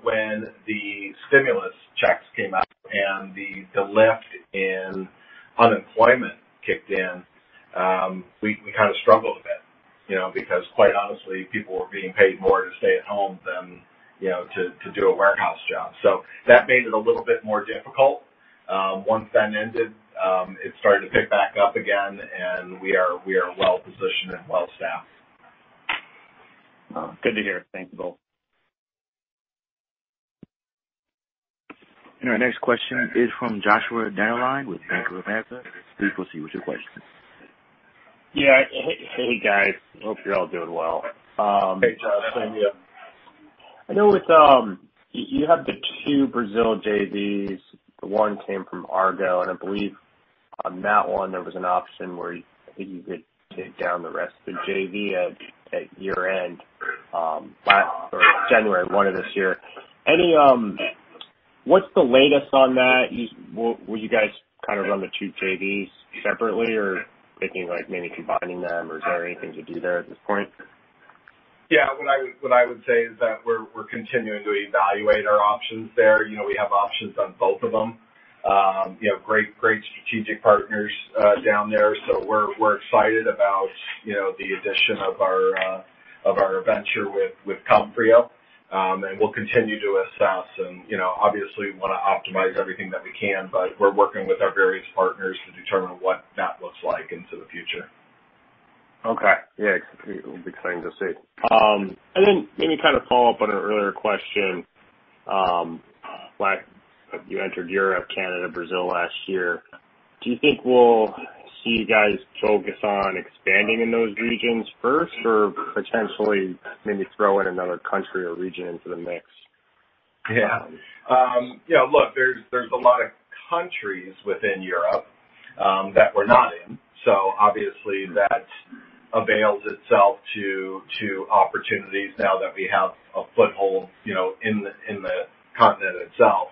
When the stimulus checks came out and the lift in unemployment kicked in, we kind of struggled a bit. Quite honestly, people were being paid more to stay at home than to do a warehouse job. That made it a little bit more difficult. Once that ended, it started to pick back up again and we are well-positioned and well-staffed. Good to hear. Thanks you both. Our next question is from Joshua Dennerlein with Bank of America. Please go see with your question. Yeah. Hey, guys. Hope you're all doing well. Hey, Josh. How are you? You have the two Brazil JVs. I believe on that one, there was an option where you could take down the rest of the JV at year-end, January 1 of this year. What's the latest on that? Will you guys kind of run the two JVs separately, or are you thinking like maybe combining them, or is there anything to do there at this point? Yeah. What I would say is that we're continuing to evaluate our options there. We have options on both of them. We have great strategic partners down there. We're excited about the addition of our venture with Comfrio. We'll continue to assess and obviously want to optimize everything that we can, but we're working with our various partners to determine what that looks like into the future. Okay. Yeah. It will be exciting to see. Maybe kind of follow up on an earlier question. You entered Europe, Canada, Brazil last year. Do you think we'll see you guys focus on expanding in those regions first, or potentially maybe throw in another country or region into the mix? Yeah. Look, there's a lot of countries within Europe that we're not in. Obviously that avails itself to opportunities now that we have a foothold in the continent itself.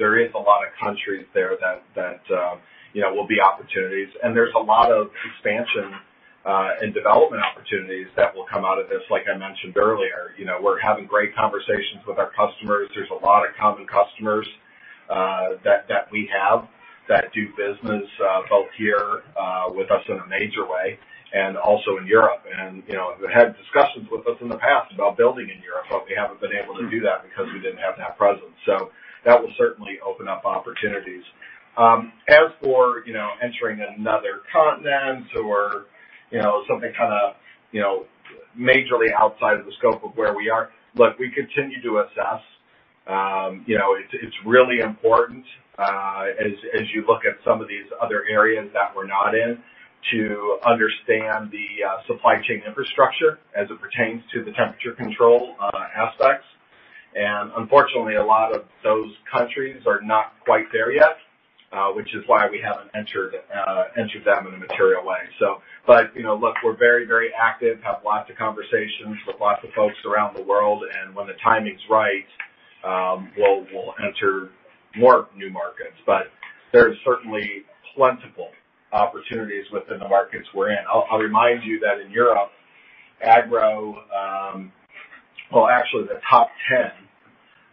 There is a lot of countries there that will be opportunities, and there's a lot of expansion and development opportunities that will come out of this, like I mentioned earlier. We're having great conversations with our customers. There's a lot of common customers that we have that do business both here with us in a major way and also in Europe. They had discussions with us in the past about building in Europe, but we haven't been able to do that because we didn't have that presence. That will certainly open up opportunities. As for entering another continent or something kind of majorly outside of the scope of where we are, look, we continue to assess. It's really important as you look at some of these other areas that we're not in to understand the supply chain infrastructure as it pertains to the temperature control aspects. Unfortunately, a lot of those countries are not quite there yet, which is why we haven't entered them in a material way. Look, we're very, very active, have lots of conversations with lots of folks around the world, and when the timing's right, we'll enter more new markets. There's certainly plentiful opportunities within the markets we're in. I'll remind you that in Europe, well, actually the top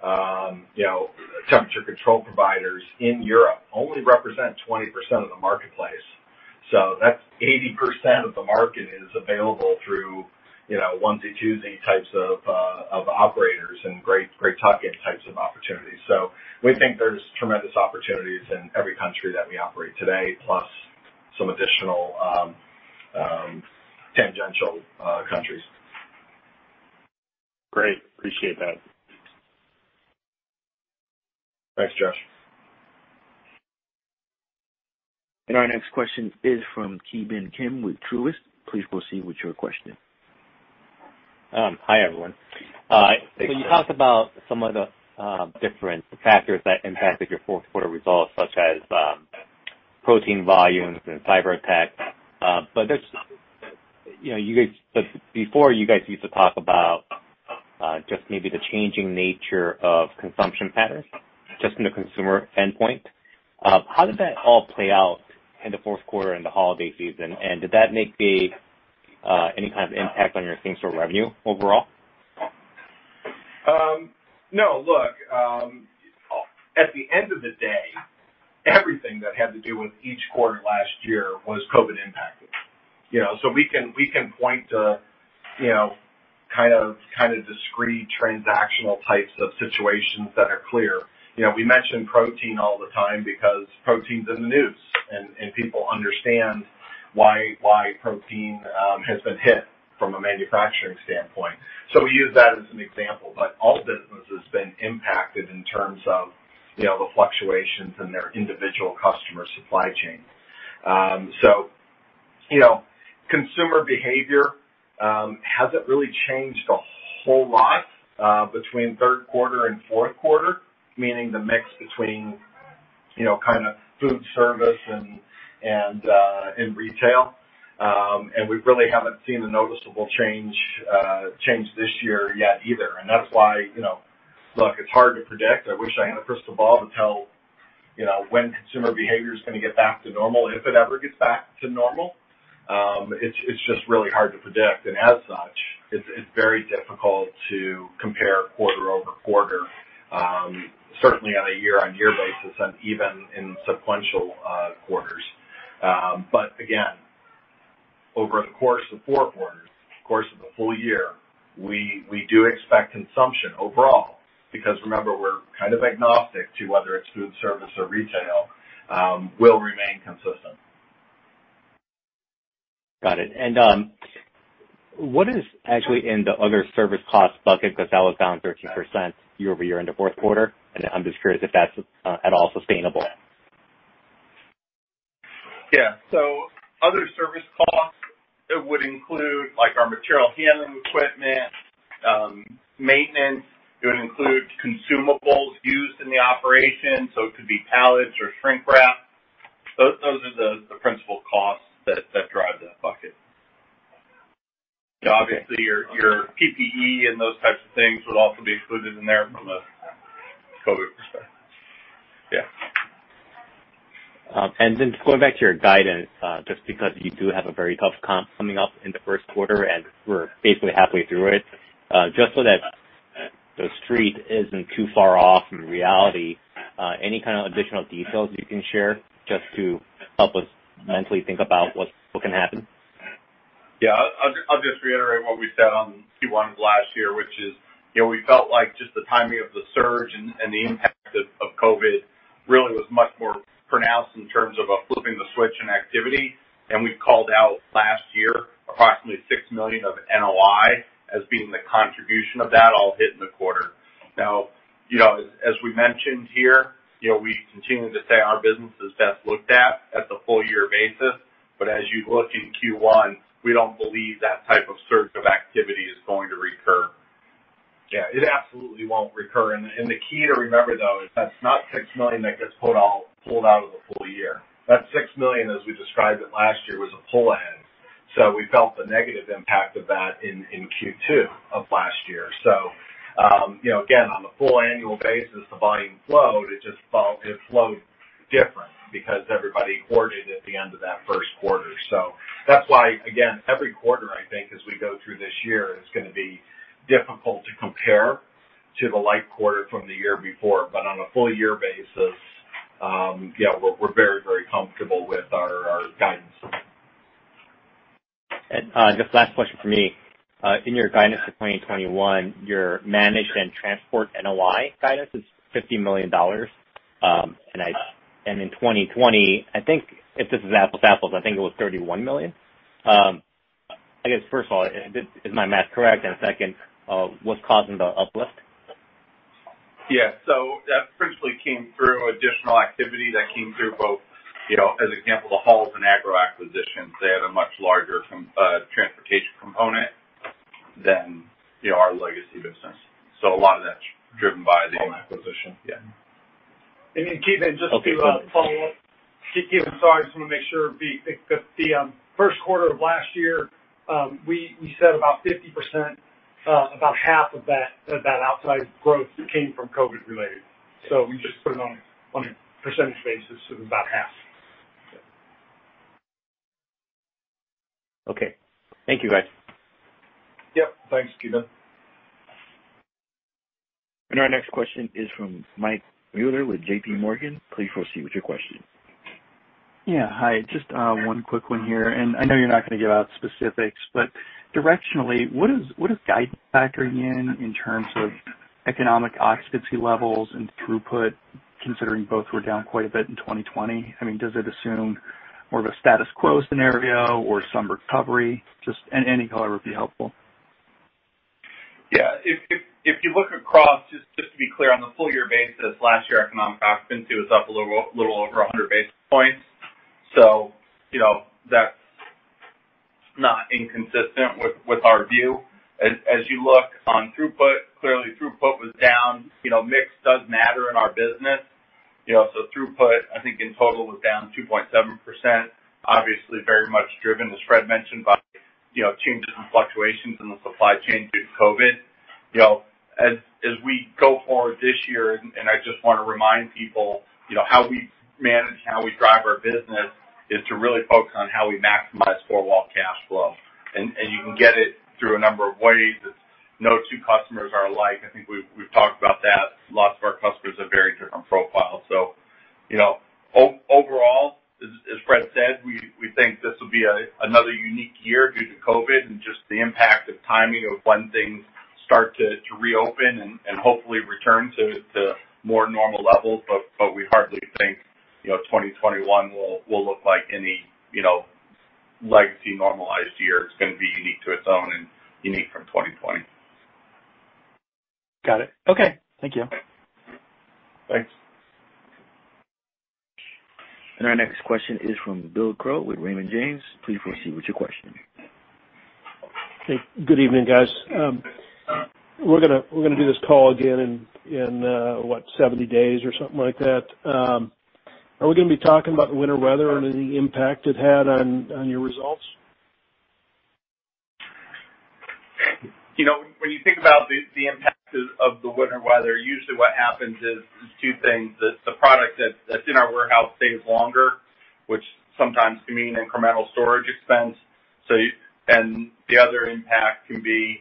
10 temperature control providers in Europe only represent 20% of the marketplace. That's 80% of the market is available through onesie-twosie types of operators and great tuck-in types of opportunities. We think there's tremendous opportunities in every country that we operate today, plus some additional tangential countries. Great. Appreciate that. Thanks, Josh. Our next question is from Ki Bin Kim with Truist. Please proceed with your question. Hi, everyone. Hey, Ki. You talked about some of the different factors that impacted your fourth quarter results, such as protein volumes and cyberattack. Before, you guys used to talk about just maybe the changing nature of consumption patterns, just in the consumer endpoint. How does that all play out in the fourth quarter and the holiday season, and did that make any kind of impact on your same-store revenue overall? No. Look, at the end of the day, everything that had to do with each quarter last year was COVID impacted. We can point to kind of discrete transactional types of situations that are clear. We mention protein all the time because protein's in the news, people understand why protein has been hit from a manufacturing standpoint. We use that as an example. All business has been impacted in terms of the fluctuations in their individual customer supply chain. Consumer behavior hasn't really changed a whole lot between third quarter and fourth quarter, meaning the mix between food service and in retail. We really haven't seen a noticeable change this year yet either. That's why, Look, it's hard to predict. I wish I had a crystal ball to tell when consumer behavior's going to get back to normal, if it ever gets back to normal. It's just really hard to predict, and as such, it's very difficult to compare quarter-over-quarter. Certainly on a year-over-year basis and even in sequential quarters. Again, over the course of four quarters, the course of the full year, we do expect consumption overall, remember, we're kind of agnostic to whether it's food service or retail, will remain consistent. Got it. What is actually in the other service cost bucket? That was down 13% year-over-year in the fourth quarter, and I'm just curious if that's at all sustainable. Yeah. Other service costs, it would include our material handling equipment, maintenance. It would include consumables used in the operation, so it could be pallets or shrink wrap. Those are the principal costs that drive that bucket. Okay. Obviously, your PPE and those types of things would also be included in there from a COVID perspective. Yeah. Going back to your guidance, just because you do have a very tough comp coming up in the first quarter, and we're basically halfway through it. Just so that the Street isn't too far off in reality, any kind of additional details you can share just to help us mentally think about what can happen? I'll just reiterate what we said on Q1 last year, which is we felt like just the timing of the surge and the impact of COVID really was much more pronounced in terms of a flipping the switch in activity than we've called out last year, approximately $6 million of NOI as being the contribution of that all hit in the quarter. As we mentioned here, we continue to say our business is best looked at the full year basis. As you look in Q1, we don't believe that type of surge of activity is going to recur. It absolutely won't recur. The key to remember, though, is that's not $6 million that gets pulled out of the full year. That $6 million, as we described it last year, was a pull-ahead. We felt the negative impact of that in Q2 of last year. Again, on a full annual basis, the volume flowed. It flowed different because everybody hoarded at the end of that first quarter. That's why, again, every quarter, I think, as we go through this year, is going to be difficult to compare to the like quarter from the year before. On a full year basis, yeah, we're very comfortable with our guidance. Just last question from me. In your guidance for 2021, your managed and transport NOI guidance is $50 million. In 2020, I think if this is apples to apples, I think it was $31 million. I guess, first of all, is my math correct? Second, what's causing the uplift? Yeah. That principally came through additional activity that came through both, as an example, the Hall's and Agro acquisitions. They had a much larger transportation component than our legacy business. A lot of that's driven by the acquisition. Yeah. Ki Bin, just to follow up. Ki Bin, sorry, I just want to make sure. The first quarter of last year, we said about 50%, about half of that outsized growth came from COVID-related. We just put it on a percentage basis, so about half. Okay. Thank you, guys. Yep. Thanks, Ki Bin. Our next question is from Mike Mueller with J.P. Morgan. Please proceed with your question. Yeah. Hi, just one quick one here. I know you're not going to give out specifics, but directionally, what is guidance factoring in in terms of economic occupancy levels and throughput, considering both were down quite a bit in 2020? Does it assume more of a status quo scenario or some recovery? Any color would be helpful. If you look across, just to be clear, on the full year basis, last year economic occupancy was up a little over 100 basis points. That's not inconsistent with our view. As you look on throughput, clearly throughput was down. Mix does matter in our business. Throughput, I think in total was down 2.7%, obviously very much driven, as Fred mentioned, by changes and fluctuations in the supply chain due to COVID. As we go forward this year, and I just want to remind people, how we manage and how we drive our business is to really focus on how we maximize four-wall cash flow. You can get it through a number of ways. No two customers are alike. I think we've talked about that. Lots of our customers are very different profiles. Overall, as Fred said, we think this will be another unique year due to COVID and just the impact of timing of when things start to reopen and hopefully return to more normal levels. We hardly think 2021 will look like any legacy normalized year. It's going to be unique to its own and unique from 2020. Got it. Okay. Thank you. Thanks. Our next question is from Bill Crow with Raymond James. Please proceed with your question. Good evening, guys. We're going to do this call again in what, 70 days or something like that. Are we going to be talking about winter weather and any impact it had on your results? When you think about the impact of the winter weather, usually what happens is two things. The product that's in our warehouse stays longer, which sometimes can mean incremental storage expense. The other impact can be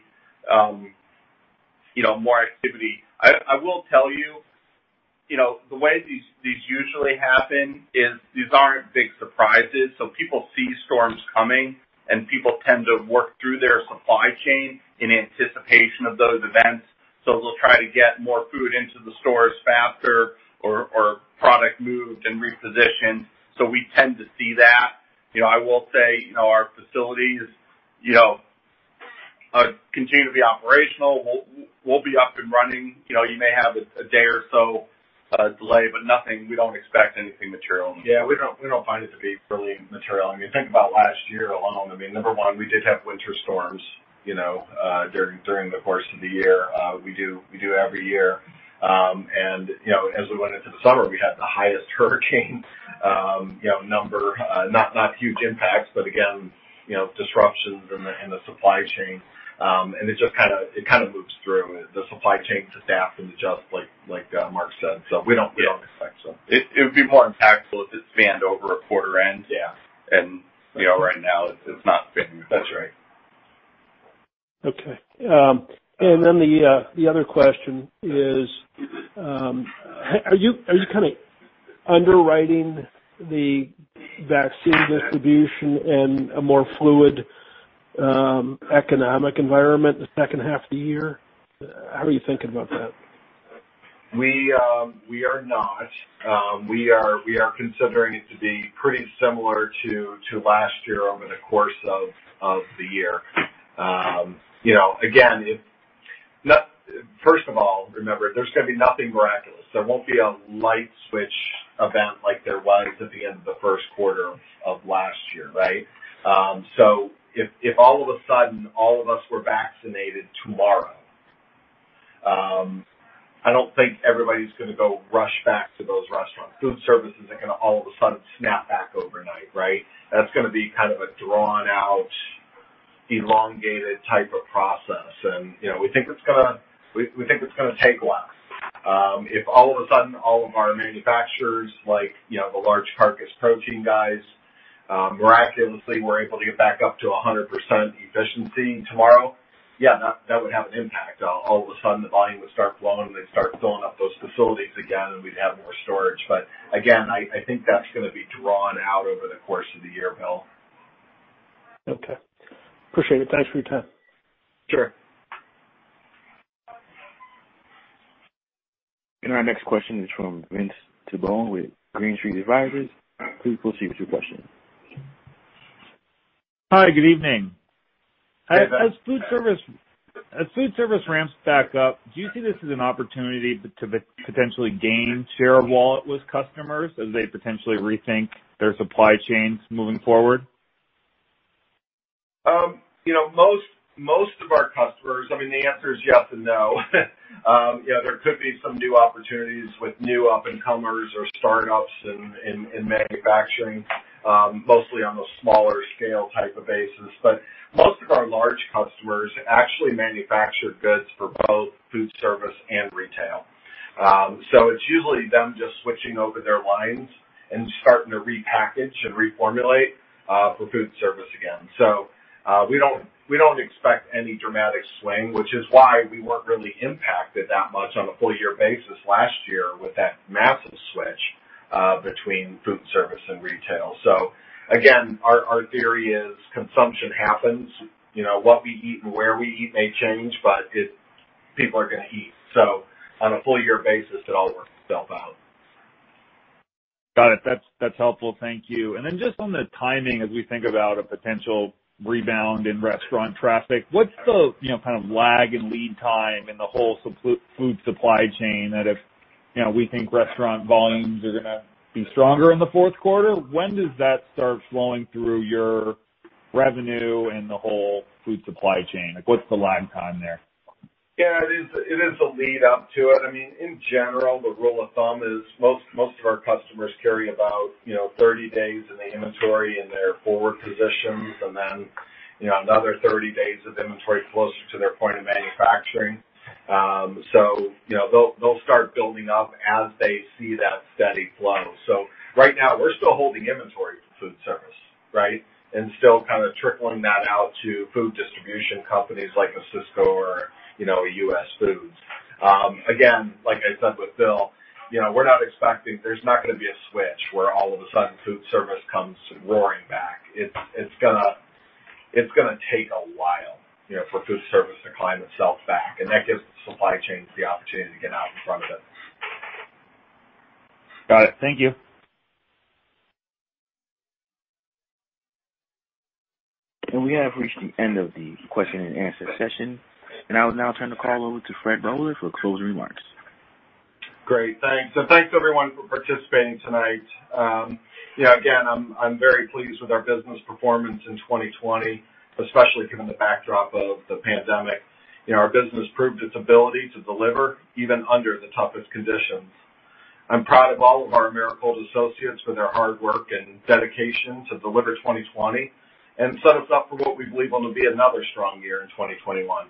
more activity. I will tell you, the way these usually happen is these aren't big surprises. People see storms coming, and people tend to work through their supply chain in anticipation of those events. They'll try to get more food into the stores faster or product moved and repositioned. We tend to see that. I will say our facilities continue to be operational. We'll be up and running. You may have a day or so delay, but we don't expect anything material. Yeah, we don't find it to be really material. I mean, think about last year alone. I mean, number one, we did have winter storms during the course of the year. We do every year. As we went into the summer, we had the highest hurricane number. Not huge impacts, but again, disruptions in the supply chain. It just kind of moves through the supply chain to staff and adjust like Marc said. We don't expect so. It would be more impactful if it spanned over a quarter end. Yeah. Right now, it's not spanning the quarter end. That's right. Okay. The other question is, are you kind of underwriting the vaccine distribution and a more fluid economic environment the second half of the year? How are you thinking about that? We are not. We are considering it to be pretty similar to last year over the course of the year. First of all, remember, there's going to be nothing miraculous. There won't be a light switch event like there was at the end of the first quarter of last year, right? If all of a sudden all of us were vaccinated tomorrow, I don't think everybody's going to go rush back to those restaurants. Food service isn't going to all of a sudden snap back overnight, right? That's going to be kind of a drawn-out, elongated type of process. We think it's going to take awhile. If all of a sudden all of our manufacturers like the large carcass protein guys miraculously were able to get back up to 100% efficiency tomorrow, yeah, that would have an impact. All of a sudden, the volume would start flowing. They'd start filling up those facilities again, and we'd have more storage. Again, I think that's going to be drawn out over the course of the year, Bill. Okay. Appreciate it. Thanks for your time. Sure. Our next question is from Vince Tibone with Green Street Advisors. Please proceed with your question. Hi, good evening. As food service ramps back up, do you see this as an opportunity to potentially gain share of wallet with customers as they potentially rethink their supply chains moving forward? Most of our customers, I mean, the answer is yes and no. There could be some new opportunities with new up-and-comers or startups in manufacturing, mostly on a smaller scale type of basis. Most of our large customers actually manufacture goods for both food service and retail. It's usually them just switching over their lines and starting to repackage and reformulate for food service again. We don't expect any dramatic swing, which is why we weren't really impacted that much on a full year basis last year with that massive switch between food service and retail. Again, our theory is consumption happens. What we eat and where we eat may change, but people are going to eat. On a full year basis, it all works itself out. Got it. That's helpful. Thank you. Then just on the timing, as we think about a potential rebound in restaurant traffic, what's the kind of lag and lead time in the whole food supply chain that if we think restaurant volumes are going to be stronger in the fourth quarter, when does that start flowing through your revenue and the whole food supply chain? Like, what's the lag time there? Yeah, it is a lead up to it. I mean, in general, the rule of thumb is most of our customers carry about 30 days in the inventory in their forward positions and then another 30 days of inventory closer to their point of manufacturing. They'll start building up as they see that steady flow. Right now, we're still holding inventory for food service, right? Still kind of trickling that out to food distribution companies like a Sysco or a US Foods. Again, like I said with Bill, there's not going to be a switch where all of a sudden food service comes roaring back. It's going to take a while for food service to climb itself back, and that gives the supply chains the opportunity to get out in front of it. Got it. Thank you. We have reached the end of the question and answer session, and I will now turn the call over to Fred Boehler for closing remarks. Great. Thanks. Thanks, everyone, for participating tonight. Again, I'm very pleased with our business performance in 2020, especially given the backdrop of the pandemic. Our business proved its ability to deliver even under the toughest conditions. I'm proud of all of our Americold associates for their hard work and dedication to deliver 2020 and set us up for what we believe will be another strong year in 2021.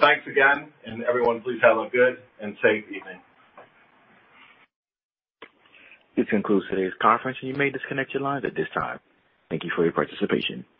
Thanks again, and everyone, please have a good and safe evening. This concludes today's conference, and you may disconnect your lines at this time. Thank you for your participation.